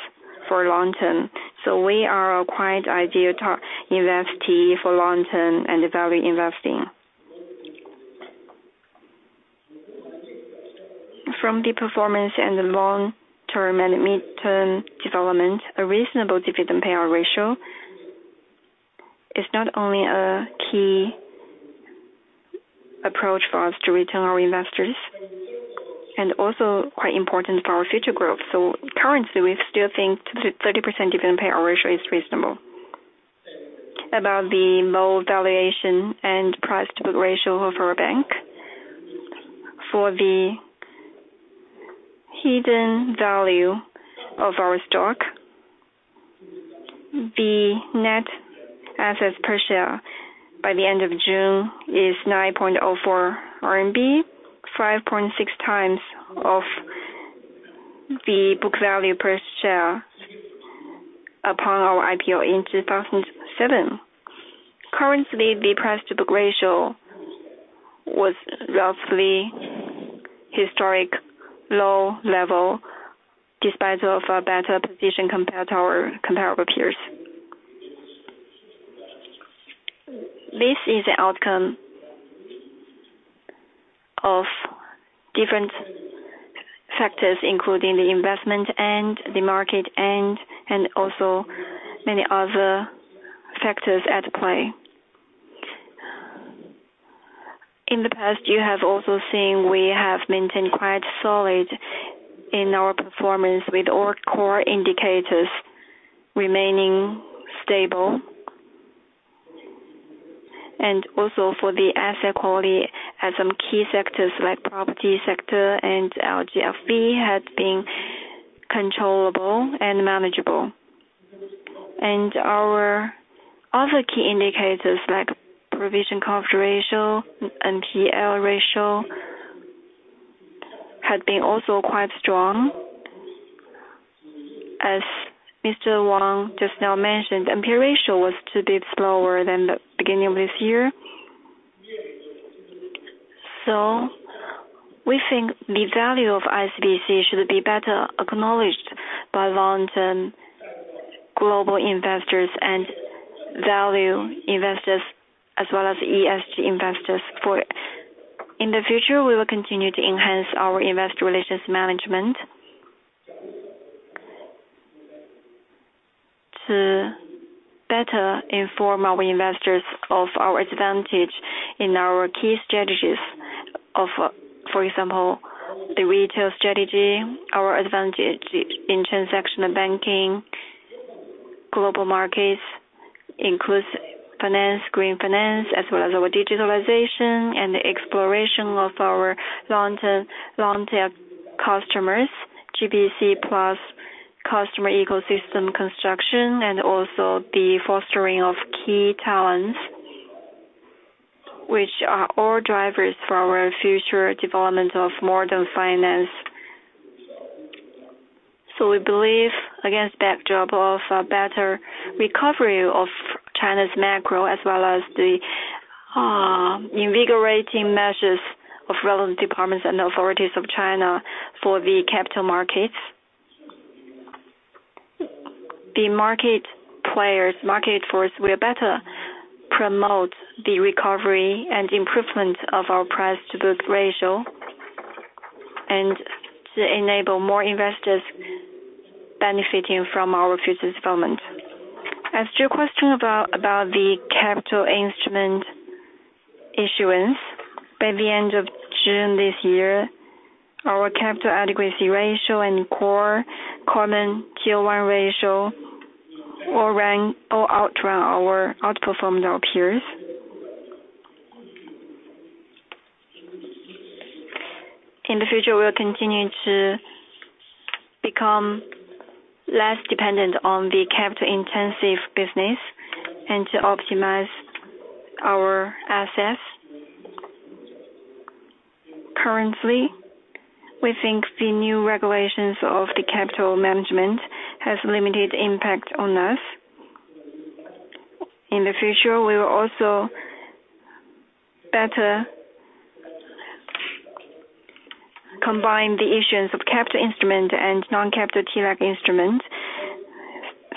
for long term. So we are a quite ideal target investee for long-term and value investing. From the performance and the long-term and mid-term development, a reasonable dividend payout ratio is not only a key approach for us to return our investors and also quite important for our future growth. So currently, we still think 30% dividend payout ratio is reasonable. About the low valuation and price-to-book ratio of our bank. For the hidden value of our stock, the net assets per share by the end of June is 9.04 RMB, 5.6 times of the book value per share upon our IPO in 2007. Currently, the price-to-book ratio was roughly historic low level, despite of a better position compared to our comparable peers. This is an outcome of different factors, including the investment end, the market end, and also many other factors at play. In the past, you have also seen we have maintained quite solid in our performance, with all core indicators remaining stable. Also for the asset quality as some key sectors like property sector and LGFV have been controllable and manageable. Our other key indicators, like provision coverage ratio, NPL ratio, had been also quite strong. As Mr. Wang just now mentioned, NPL ratio was a bit lower than the beginning of this year.... We think the value of ICBC should be better acknowledged by long-term global investors and value investors, as well as ESG investors. For in the future, we will continue to enhance our investor relations management to better inform our investors of our advantage in our key strategies of, for example, the retail strategy, our advantage in transactional banking, global markets, inclusive finance, green finance, as well as our digitalization and the exploration of our long-term, long-term customers, GBC Plus customer ecosystem construction, and also the fostering of key talents, which are all drivers for our future development of modern finance. So we believe, against backdrop of a better recovery of China's macro, as well as the invigorating measures of relevant departments and authorities of China for the capital markets, the market players, market force will better promote the recovery and improvement of our price-to-book ratio, and to enable more investors benefiting from our future development. As to your question about the capital instrument issuance, by the end of June this year, our capital adequacy ratio and core common tier-one ratio all rank, all outrank or outperformed our peers. In the future, we'll continue to become less dependent on the capital intensive business and to optimize our assets. Currently, we think the new regulations of the capital management has limited impact on us. In the future, we will also better combine the issuance of capital instrument and non-capital tier instrument.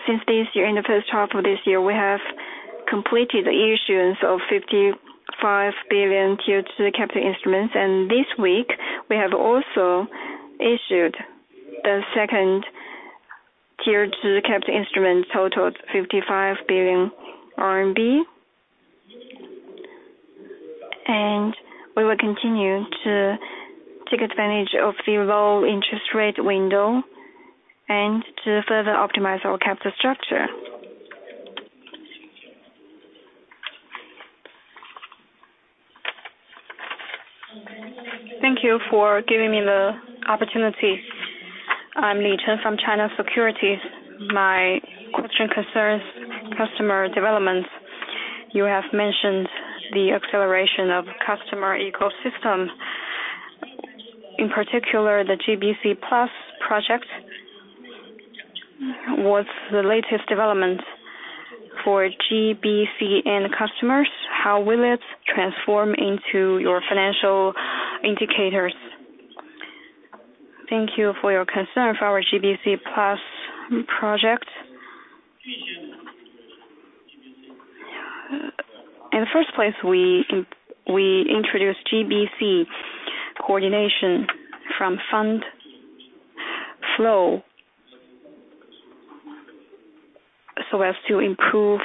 Since this year, in the first half of this year, we have completed the issuance of 55 billion tier two capital instruments, and this week we have also issued the second tier two capital instrument, totaled CNY 55 billion RMB. We will continue to take advantage of the low interest rate window and to further optimize our capital structure. Thank you for giving me the opportunity. I'm Li Chen from China Securities. My question concerns customer development. You have mentioned the acceleration of customer ecosystem, in particular, the GBC Plus project. What's the latest development for GBC and customers? How will it transform into your financial indicators? Thank you for your concern for our GBC Plus project. In the first place, we introduced GBC coordination from fund flow, so as to improve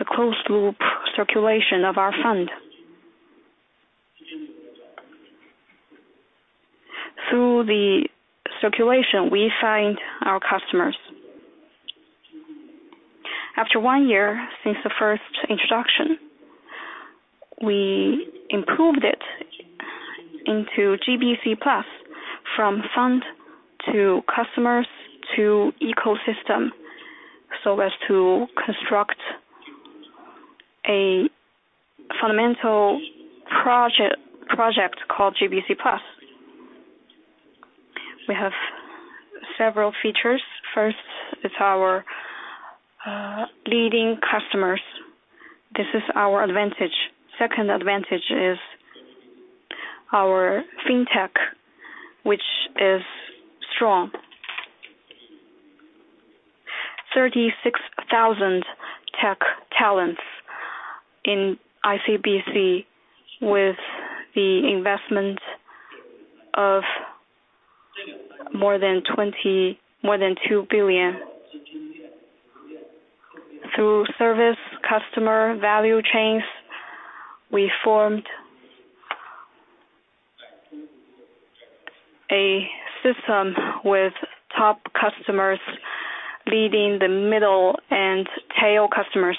the closed loop circulation of our fund. Through the circulation, we find our customers. After one year, since the first introduction, we improved it into GBC Plus, from fund to customers to ecosystem, so as to construct a fundamental project, project called GBC Plus. We have several features. First, it's our leading customers. This is our advantage. Second advantage is our fintech, which is strong. 36,000 tech talents in ICBC with the investment of more than 2 billion. Through service customer value chains, we formed a system with top customers leading the middle and tail customers,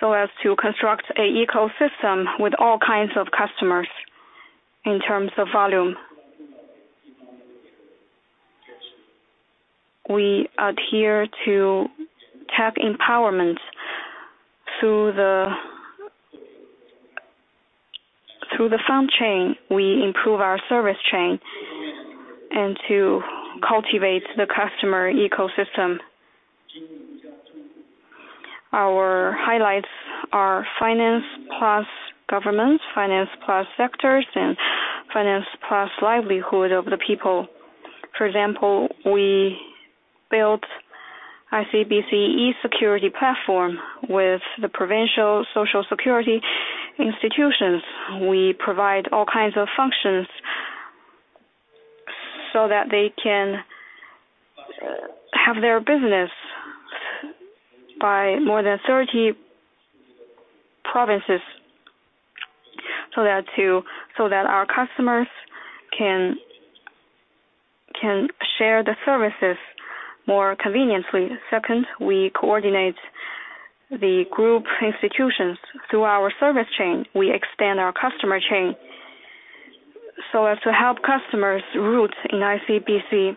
so as to construct a ecosystem with all kinds of customers in terms of volume. We adhere to tech empowerment through the-... Through the fund chain, we improve our service chain and to cultivate the customer ecosystem. Our highlights are finance plus governments, finance plus sectors, and finance plus livelihood of the people. For example, we built ICBC e-security platform with the provincial Social Security institutions. We provide all kinds of functions so that they can have their business by more than 30 provinces, so that our customers can share the services more conveniently. Second, we coordinate the group institutions. Through our service chain, we extend our customer chain so as to help customers root in ICBC.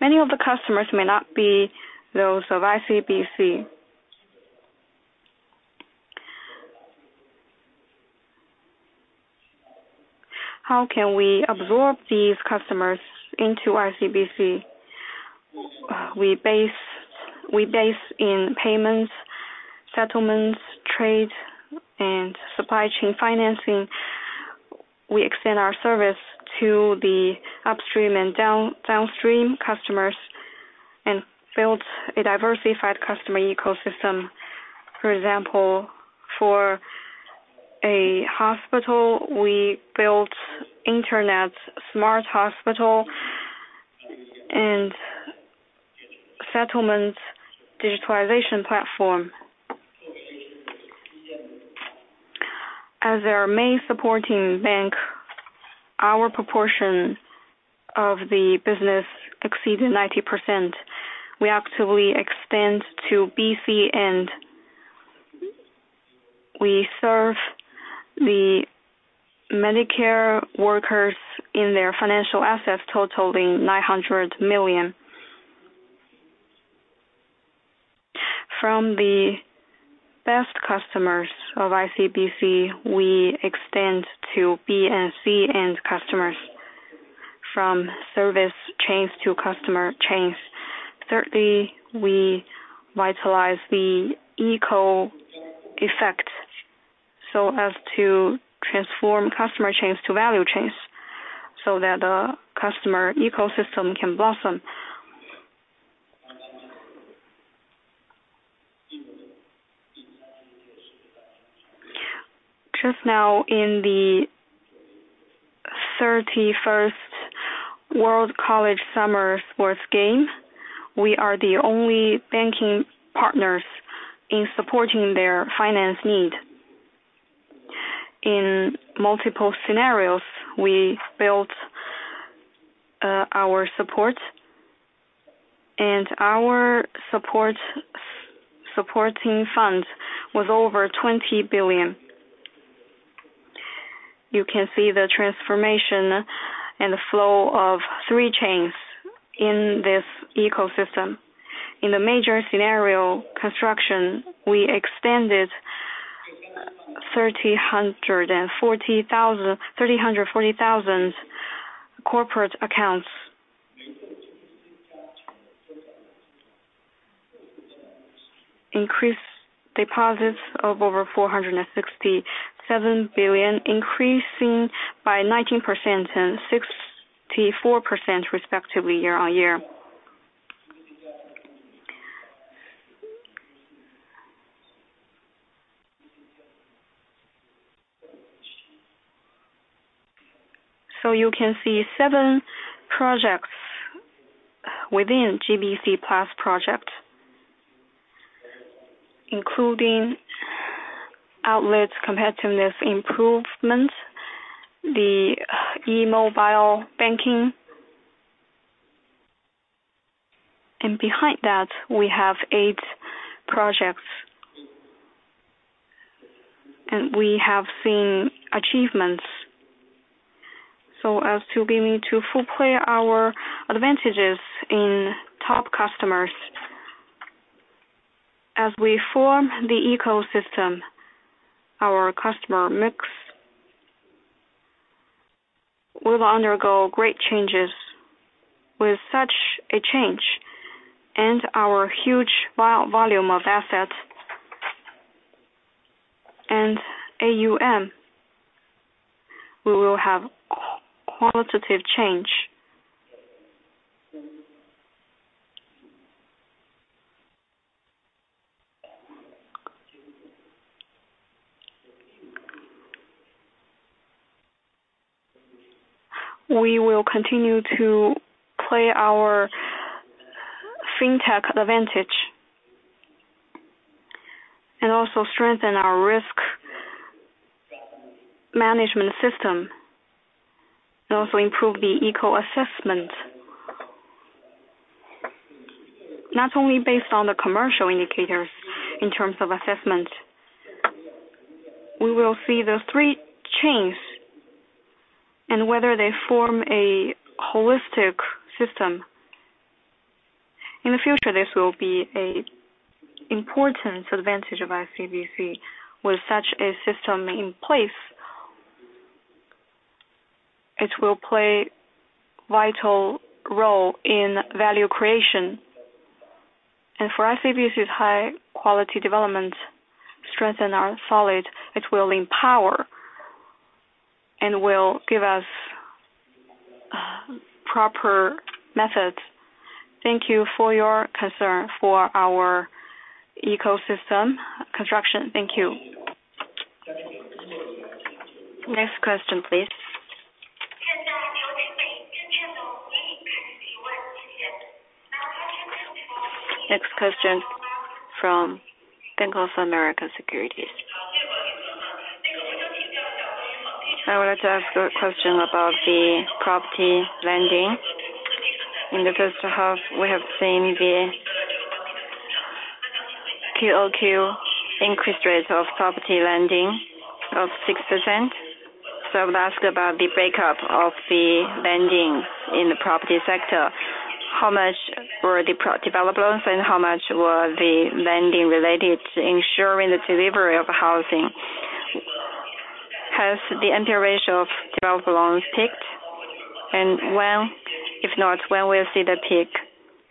Many of the customers may not be those of ICBC. How can we absorb these customers into ICBC? We base in payments, settlements, trade, and supply chain financing. We extend our service to the upstream and downstream customers and build a diversified customer ecosystem. For example, for a hospital, we built internet smart hospital and settlement digitalization platform. As our main supporting bank, our proportion of the business exceeded 90%. We actively extend to BC, and we serve the Medicare workers in their financial assets totaling 900 million. From the best customers of ICBC, we extend to B and C and customers from service chains to customer chains. Thirdly, we vitalize the eco effect so as to transform customer chains to value chains, so that our customer ecosystem can blossom. Just now, in the 31st World College Summer Sports Games, we are the only banking partners in supporting their finance need. In multiple scenarios, we built our support, and our support, supporting fund was over 20 billion. You can see the transformation and the flow of three chains in this ecosystem. In the major scenario construction, we extended 340,000 corporate accounts. Increased deposits of over 467 billion, increasing by 19% and 64%, respectively, year-on-year. So you can see seven projects within GBC Plus project, including outlets, competitiveness, improvements, the e-mobile banking. Behind that, we have 8 projects. We have seen achievements, so as to be need to full play our advantages in top customers. As we form the ecosystem, our customer mix will undergo great changes. With such a change and our huge volume of assets and AUM, we will have qualitative change. We will continue to play our fintech advantage and also strengthen our risk management system, and also improve the eco assessment. Not only based on the commercial indicators in terms of assessment, we will see the three chains and whether they form a holistic system. In the future, this will be a important advantage of ICBC. With such a system in place, it will play vital role in value creation. And for ICBC's high quality development, strengthen our solid, it will empower and will give us, proper methods. Thank you for your concern for our ecosystem construction. Thank you. Next question, please. Next question from Bank of America Securities. I wanted to ask a question about the property lending. In the first half, we have seen the QOQ increase rate of property lending of 6%. So I would ask about the breakup of the lending in the property sector. How much were the property developers, and how much was the lending related to ensuring the delivery of housing? Has the NPL ratio of developer loans peaked? And when, if not, when we'll see the peak,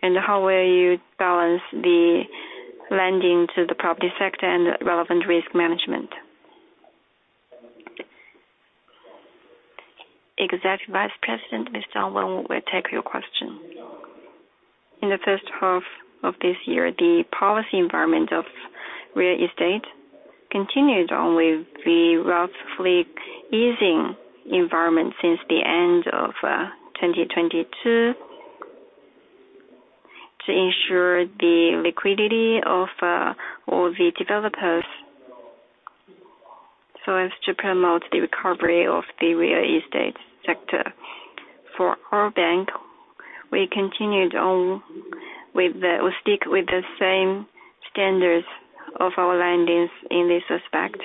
and how will you balance the lending to the property sector and the relevant risk management? Executive Vice President, Mr. Wang will take your question. In the first half of this year, the policy environment of real estate continued only the roughly easing environment since the end of 2022, to ensure the liquidity of all the developers, so as to promote the recovery of the real estate sector. For our bank, we continued on with the, or stick with the same standards of our lendings in this respect,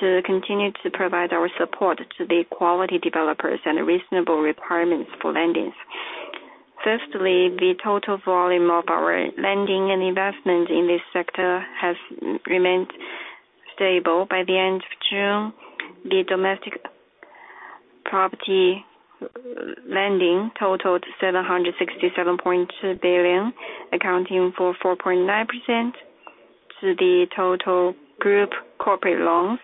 to continue to provide our support to the quality developers and reasonable requirements for lendings. Firstly, the total volume of our lending and investment in this sector has remained stable. By the end of June, the domestic property lending totaled 767 billion, accounting for 4.9% to the total group corporate loans,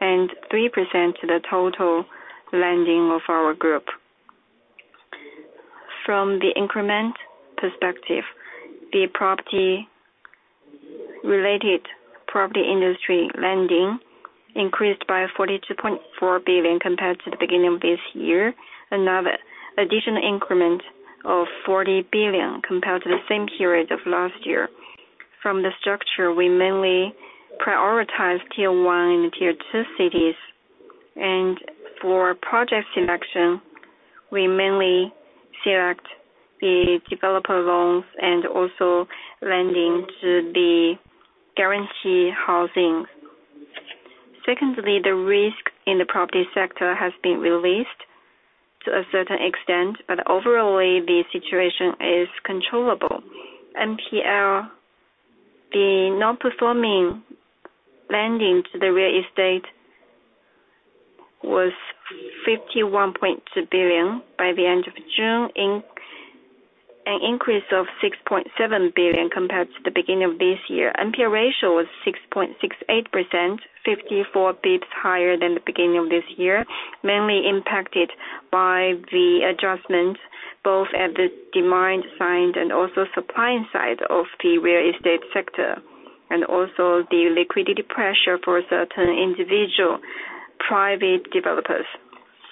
and 3% to the total lending of our group. From the increment perspective, the property related property industry lending increased by 42.4 billion compared to the beginning of this year, another additional increment of 40 billion compared to the same period of last year. From the structure, we mainly prioritize tier one and tier two cities, and for project selection, we mainly select the developer loans and also lending to the guarantee housing. Secondly, the risk in the property sector has been released to a certain extent, but overall, the situation is controllable. NPL, the non-performing lending to the real estate was 51.2 billion by the end of June, an increase of 6.7 billion compared to the beginning of this year. NPL ratio was 6.68%, 54 basis points higher than the beginning of this year, mainly impacted by the adjustment, both at the demand side and also supply side of the real estate sector, and also the liquidity pressure for certain individual private developers.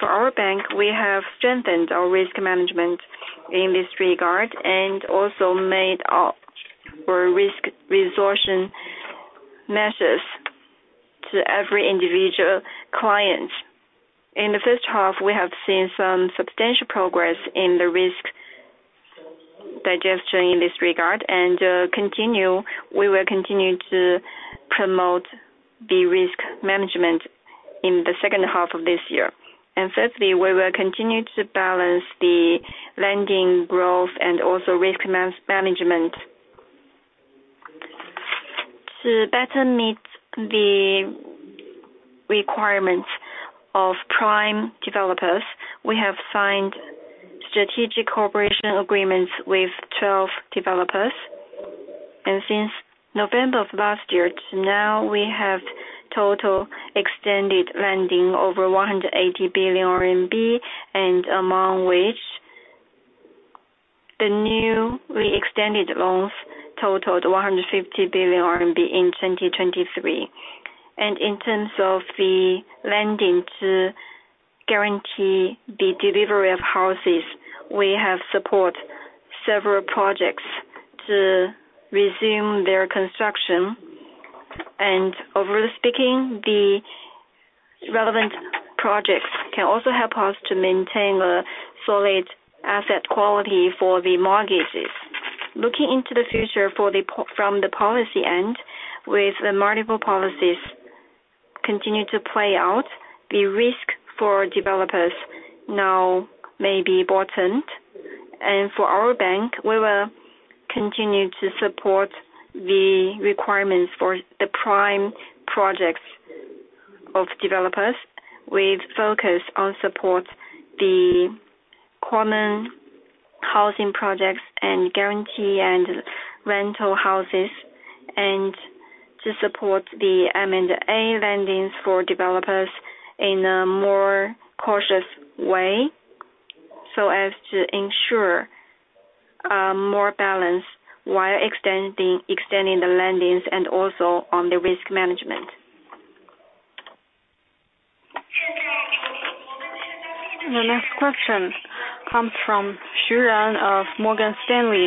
For our bank, we have strengthened our risk management in this regard and also made up for risk resolving measures to every individual client. In the first half, we have seen some substantial progress in the risk digestion in this regard, and we will continue to promote the risk management in the second half of this year. Thirdly, we will continue to balance the lending growth and also risk management. To better meet the requirements of prime developers, we have signed strategic cooperation agreements with 12 developers. Since November of last year to now, we have total extended lending over 180 billion RMB, and among which the new reextended loans totaled 150 billion RMB in 2023. In terms of the lending to guarantee the delivery of houses, we have support several projects to resume their construction. Overall speaking, the relevant projects can also help us to maintain a solid asset quality for the mortgages. Looking into the future, from the policy end, with multiple policies continue to play out, the risk for developers now may be bottomed. For our bank, we will continue to support the requirements for the prime projects of developers. We've focused on support the common housing projects and guarantee and rental houses, and to support the M&A lendings for developers in a more cautious way, so as to ensure more balance while extending the lendings and also on the risk management. The next question comes from Sharon of Morgan Stanley.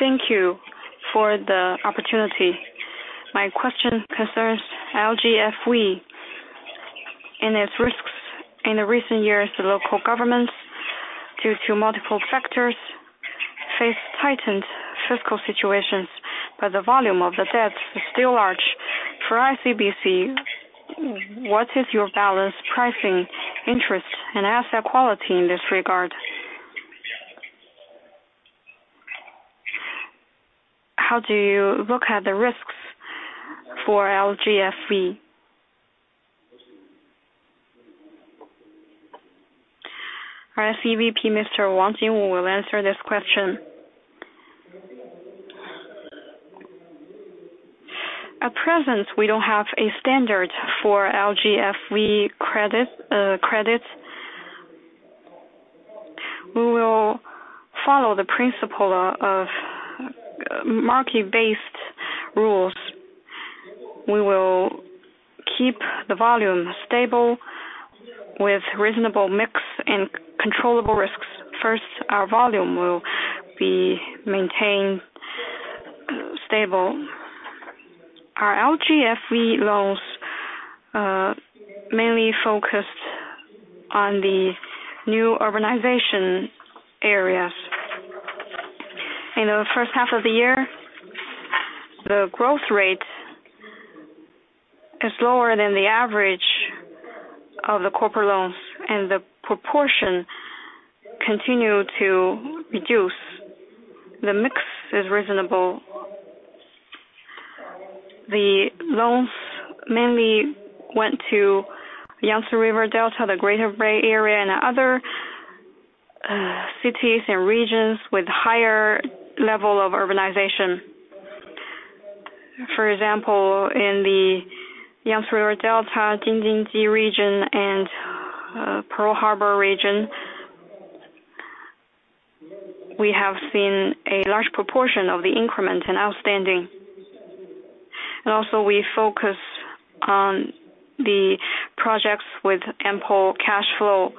Thank you for the opportunity. My question concerns LGFV and its risks. In the recent years, the local governments, due to multiple factors, face tightened fiscal situations, but the volume of the debt is still large. For ICBC, what is your balance, pricing, interest, and asset quality in this regard? How do you look at the risks for LGFV? Our SVP, Mr. Wang Jingwu, will answer this question. At present, we don't have a standard for LGFV credit, credits. We will follow the principle of market-based rules. We will keep the volume stable with reasonable mix and controllable risks. First, our volume will be maintained stable. Our LGFV loans mainly focus on the new urbanization areas. In the first half of the year, the growth rate is lower than the average of the corporate loans, and the proportion continue to reduce. The mix is reasonable. The loans mainly went to Yangtze River Delta, the Greater Bay Area, and other cities and regions with higher level of urbanization. For example, in the Yangtze River Delta, Jing-Jin-Ji region, and Pearl River Delta region, we have seen a large proportion of the increment in outstanding. Also we focus on the projects with ample cash flow.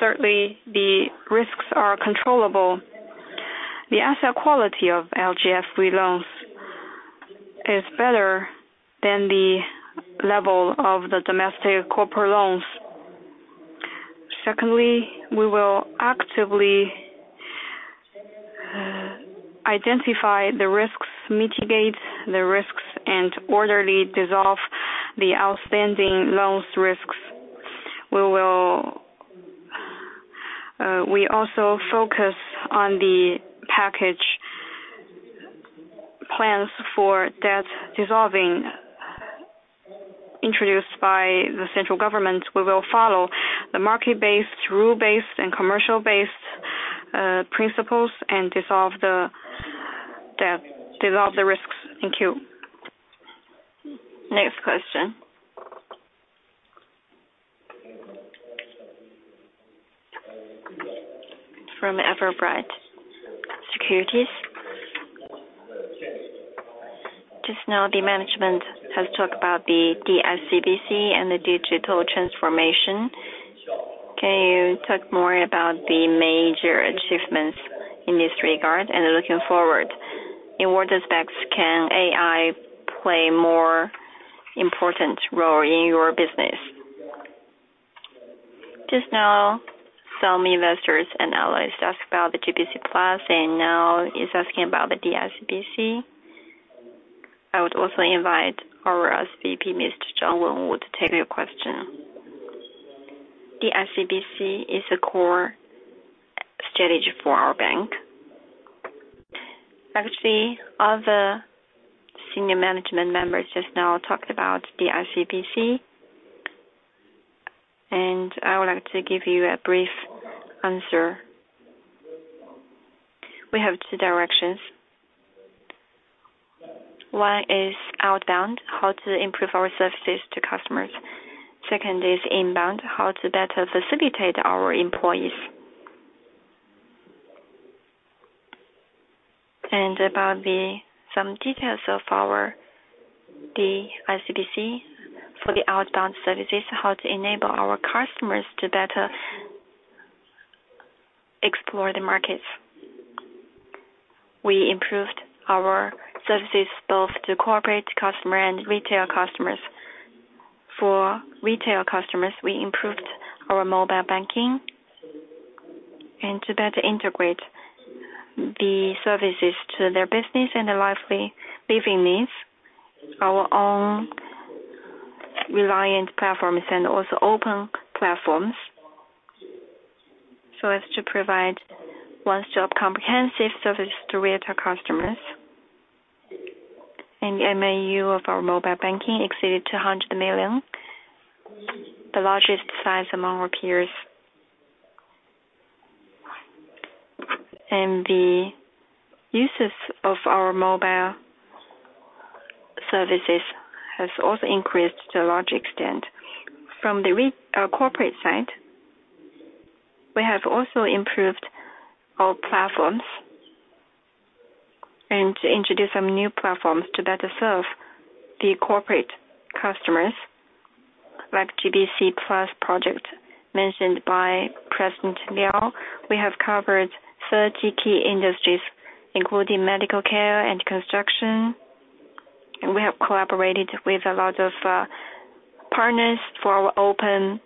Certainly, the risks are controllable. The asset quality of LGFV loans is better than the level of the domestic corporate loans. Secondly, we will actively identify the risks, mitigate the risks, and orderly dissolve the outstanding loans risks. We will, we also focus on the package plans for debt dissolving introduced by the central government. We will follow the market-based, rule-based, and commercial-based principles and dissolve the debt, dissolve the risks. Thank you. Next question. From Everbright Securities. Just now, the management has talked about the D-ICBC and the digital transformation. Can you talk more about the major achievements in this regard? And looking forward, in what aspects can AI play more important role in your business? Just now, some investors and analysts asked about the GBC Plus, and now is asking about the D-ICBC. I would also invite our SVP, Mr. Wang Jingwu, to take your question. D-ICBC is a core strategy for our bank. Actually, all the senior management members just now talked about D-ICBC, and I would like to give you a brief answer. We have two directions. One is outbound, how to improve our services to customers. Second is inbound, how to better facilitate our employees. And about some details of our D-ICBC for the outbound services, how to enable our customers to better explore the markets. We improved our services both to corporate customer and retail customers… for retail customers, we improved our mobile banking, and to better integrate the services to their business and their daily living needs, our own reliable platforms and also open platforms. So as to provide one-stop comprehensive service to retail customers. MAU of our mobile banking exceeded 200 million, the largest size among our peers. The uses of our mobile services has also increased to a large extent. From the corporate side, we have also improved our platforms and introduced some new platforms to better serve the corporate customers, like GBC Plus project mentioned by President Liao. We have covered 30 key industries, including medical care and construction, and we have collaborated with a lot of partners for our open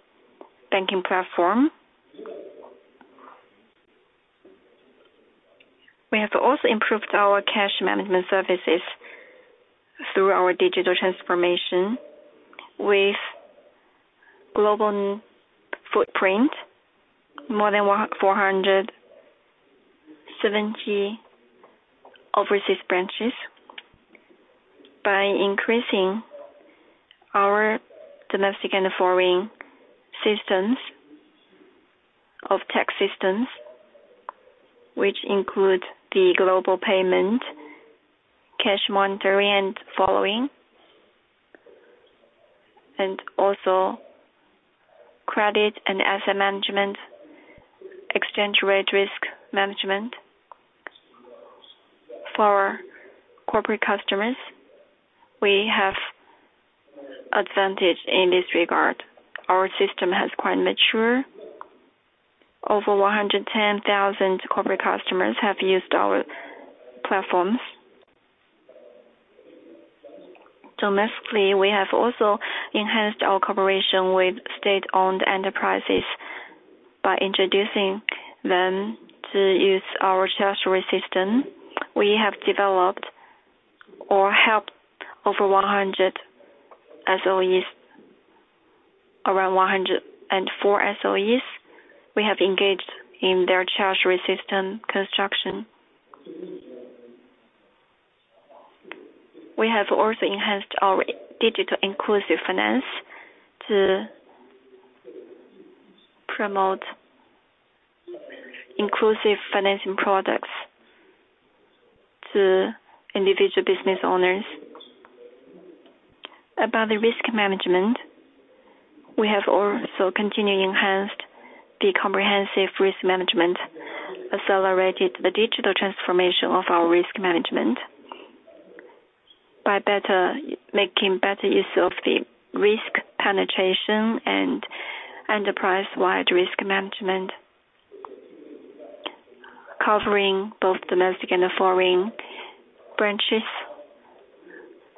banking platform. We have also improved our cash management services through our digital transformation with global footprint, more than 1,470 overseas branches, by increasing our domestic and foreign systems of tech systems, which include the global payment, cash monitoring and pooling, and also credit and asset management, exchange rate risk management. For corporate customers, we have advantage in this regard. Our system has quite mature. Over 110,000 corporate customers have used our platforms. Domestically, we have also enhanced our cooperation with state-owned enterprises by introducing them to use our treasury system. We have developed or helped over 100 SOEs, around 104 SOEs. We have engaged in their treasury system construction. We have also enhanced our digital inclusive finance to promote inclusive financing products to individual business owners. About the risk management, we have also continued enhanced the comprehensive risk management, accelerated the digital transformation of our risk management by making better use of the risk penetration and enterprise-wide risk management, covering both domestic and foreign branches,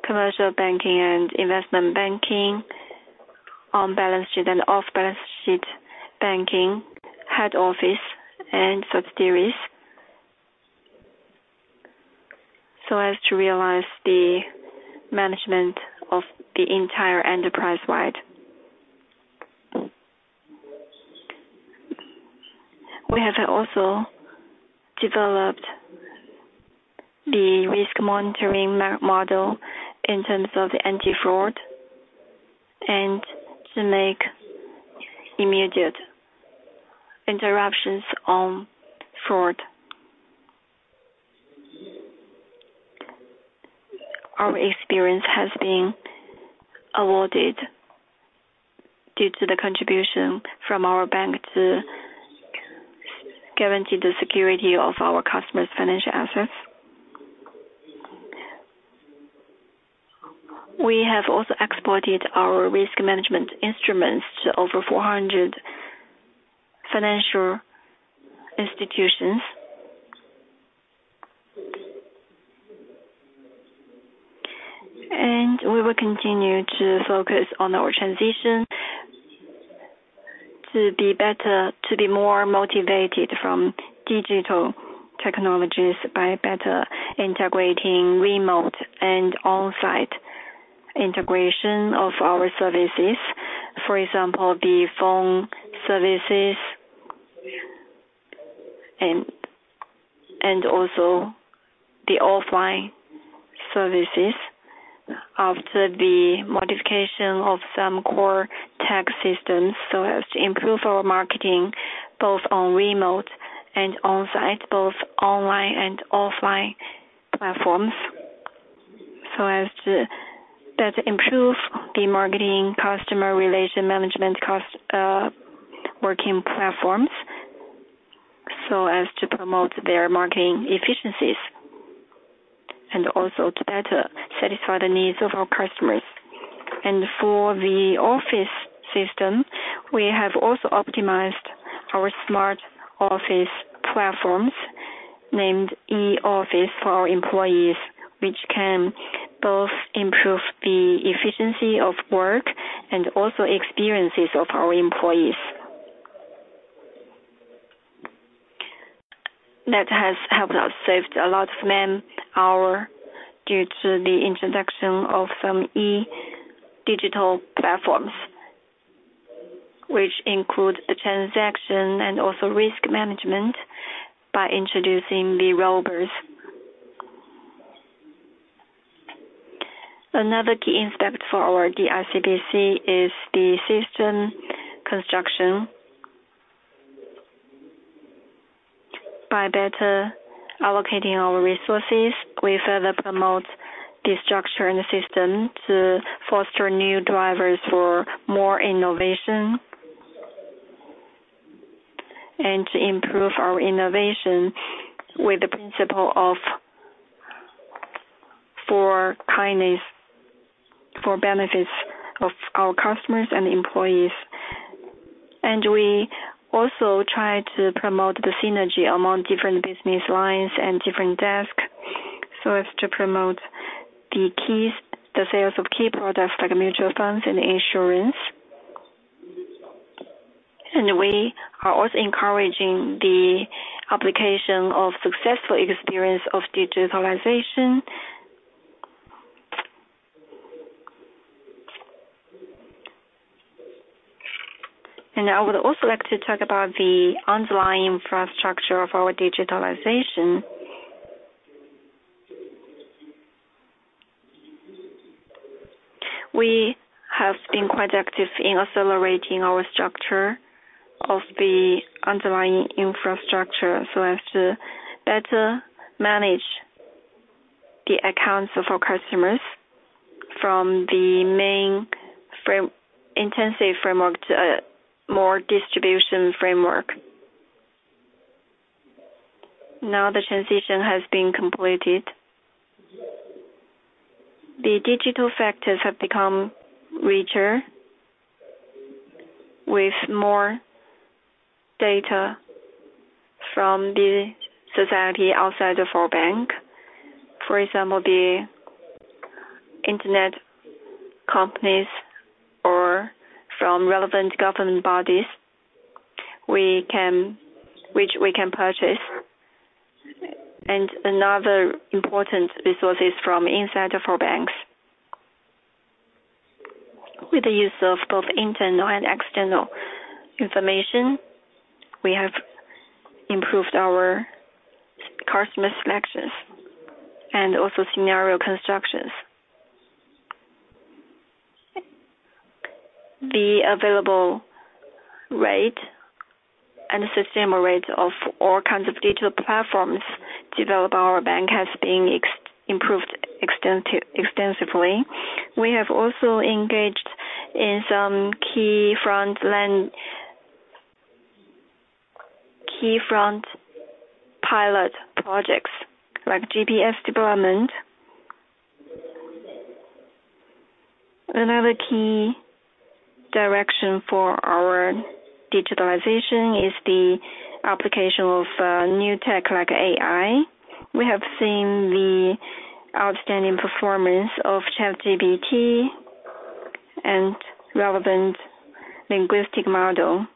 commercial banking and investment banking, on-balance sheet and off-balance sheet banking, head office and subsidiaries, so as to realize the management of the entire enterprise-wide. We have also developed the risk monitoring model in terms of the anti-fraud and to make immediate interruptions on fraud. Our experience has been awarded due to the contribution from our bank to guarantee the security of our customers' financial assets. We have also exported our risk management instruments to over 400 financial institutions. We will continue to focus on our transition to be better, to be more motivated from digital technologies by better integrating remote and on-site integration of our services. For example, the phone services and also the offline services after the modification of some core tech systems, so as to improve our marketing, both on remote and on-site, both online and offline platforms. So as to better improve the marketing customer relation management cost, working platforms, so as to promote their marketing efficiencies and also to better satisfy the needs of our customers. For the office system, we have also optimized our smart office platforms named E-Office for our employees, which can both improve the efficiency of work and also experiences of our employees. That has helped us saved a lot of man hour due to the introduction of some e-digital platforms, which include a transaction and also risk management by introducing the robots. Another key aspect for our ICBC is the system construction. By better allocating our resources, we further promote the structure and the system to foster new drivers for more innovation, and to improve our innovation with the principle of, for kindness, for benefits of our customers and employees. We also try to promote the synergy among different business lines and different tasks, so as to promote the key, the sales of key products like mutual funds and insurance. We are also encouraging the application of successful experience of digitalization. I would also like to talk about the underlying infrastructure of our digitalization. We have been quite active in accelerating our structure of the underlying infrastructure, so as to better manage the accounts of our customers from the mainframe, intensive framework to a more distribution framework. Now the transition has been completed. The digital factors have become richer with more data from the society outside of our bank. For example, the internet companies or from relevant government bodies, we can purchase. Another important resource is from inside of our banks. With the use of both internal and external information, we have improved our customer selections and also scenario constructions. The available rate and system rate of all kinds of digital platforms developed by our bank has been extensively improved. We have also engaged in some key frontline pilot projects like GPS development. Another key direction for our digitalization is the application of new tech like AI. We have seen the outstanding performance of ChatGPT and relevant language model.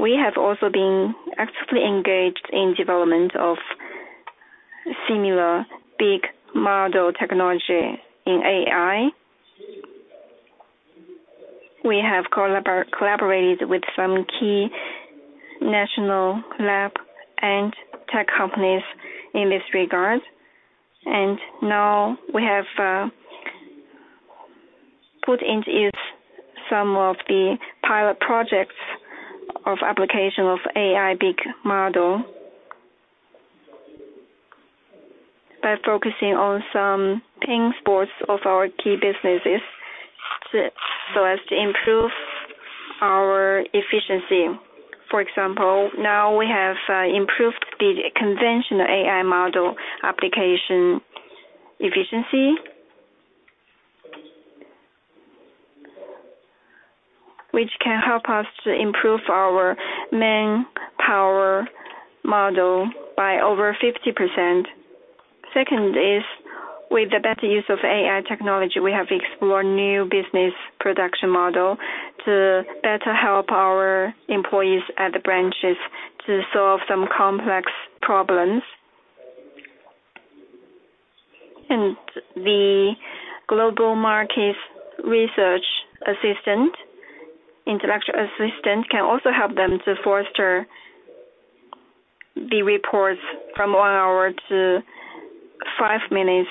We have also been actively engaged in development of similar big model technology in AI. We have collaborated with some key national lab and tech companies in this regard, and now we have put into use some of the pilot projects of application of AI big model. By focusing on some pain points of our key businesses, so as to improve our efficiency. For example, now we have improved the conventional AI model application efficiency. Which can help us to improve our manpower model by over 50%. Second is, with the better use of AI technology, we have explored new business production model to better help our employees at the branches to solve some complex problems. And the global market research assistant, intellectual assistant, can also help them to foster the reports from one hour to five minutes,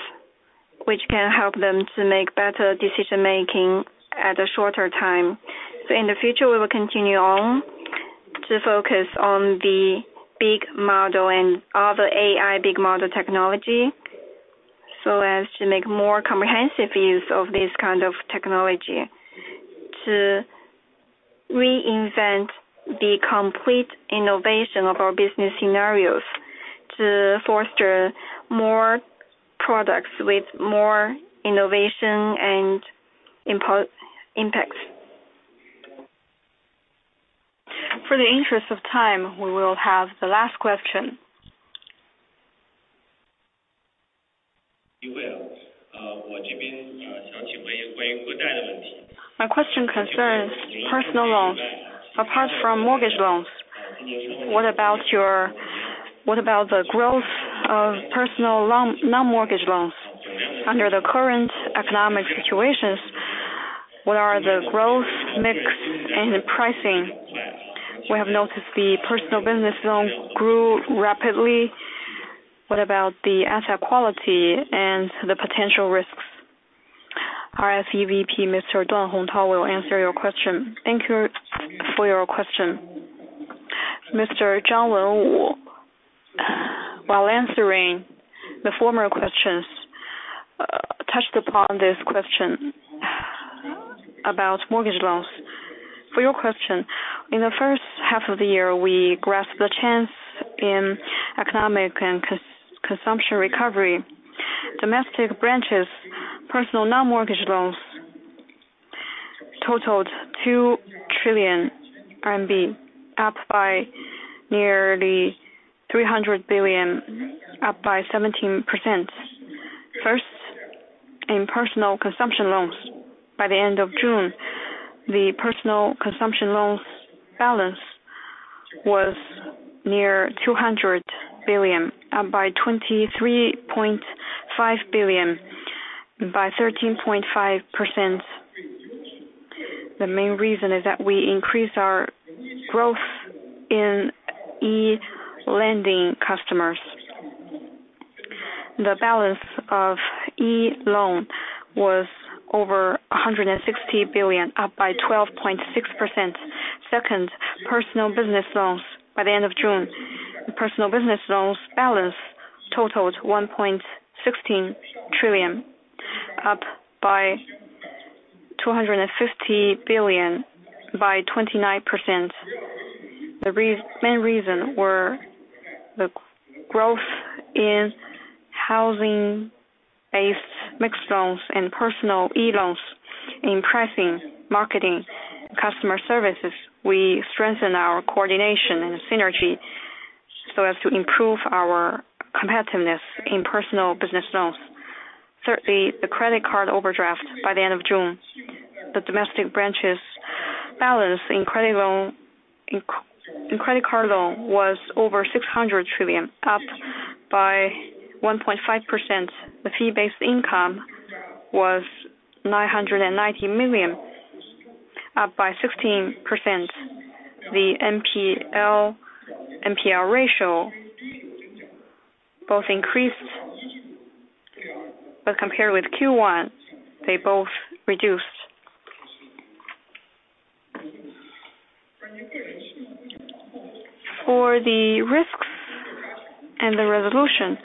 which can help them to make better decision making at a shorter time. So in the future, we will continue on to focus on the big model and other AI big model technology, so as to make more comprehensive use of this kind of technology, to reinvent the complete innovation of our business scenarios, to foster more products with more innovation and impacts. ...For the interest of time, we will have the last question. My question concerns personal loans. Apart from mortgage loans, what about your, what about the growth of personal loan, non-mortgage loans? Under the current economic situations, what are the growth mix and the pricing? We have noticed the personal business loans grew rapidly. What about the asset quality and the potential risks? Our SEVP, Mr. Duan Hongtao, will answer your question. Thank you for your question. Mr. Zhang Wenwu, while answering the former questions, touched upon this question about mortgage loans. For your question, in the first half of the year, we grasped the chance in economic and consumption recovery. Domestic branches, personal non-mortgage loans totaled 2 trillion RMB, up by nearly 300 billion, up by 17%. First, in personal consumption loans, by the end of June, the personal consumption loans balance was near 200 billion, up by 23.5 billion, by 13.5%. The main reason is that we increased our growth in e-lending customers. The balance of e-loan was over 160 billion, up by 12.6%. Second, personal business loans. By the end of June, the personal business loans balance totaled 1.16 trillion, up by 250 billion, by 29%. The main reason were the growth in housing-based mixed loans and personal e-loans in pricing, marketing, customer services. We strengthened our coordination and synergy so as to improve our competitiveness in personal business loans. Thirdly, the credit card overdraft by the end of June. The domestic branches balance in credit loan, in credit card loan was over 600 trillion, up by 1.5%. The fee-based income was 990 million, up by 16%. The NPL ratio both increased, but compared with Q1, they both reduced. For the risks and the resolution,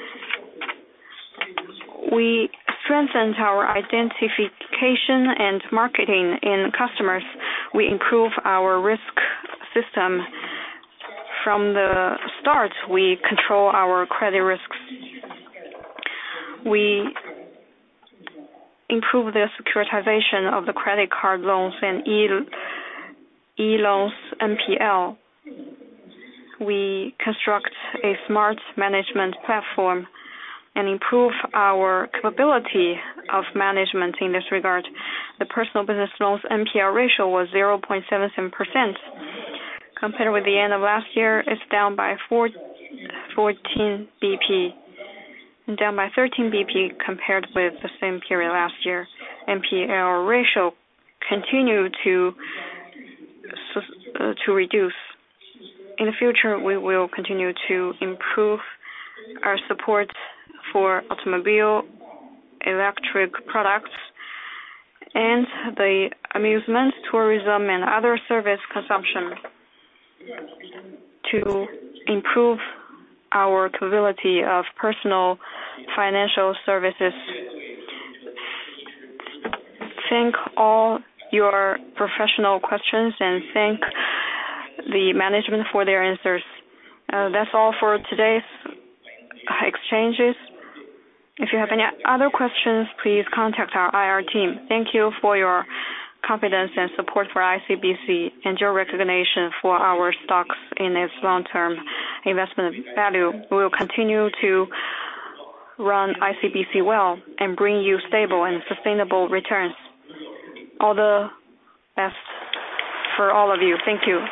we strengthened our identification and marketing in customers. We improve our risk system. From the start, we control our credit risks. We improve the securitization of the credit card loans and e-loans NPL. We construct a smart management platform and improve our capability of management in this regard. The personal business loans NPL ratio was 0.77%. Compared with the end of last year, it's down by fourteen BP, and down by thirteen BP compared with the same period last year. NPL ratio continued to reduce. In the future, we will continue to improve our support for automobile, electric products, and the amusement, tourism, and other service consumption to improve our capability of personal financial services. Thank all your professional questions, and thank the management for their answers. That's all for today's exchanges. If you have any other questions, please contact our IR team. Thank you for your confidence and support for ICBC, and your recognition for our stocks in its long-term investment value. We will continue to run ICBC well and bring you stable and sustainable returns. All the best for all of you. Thank you.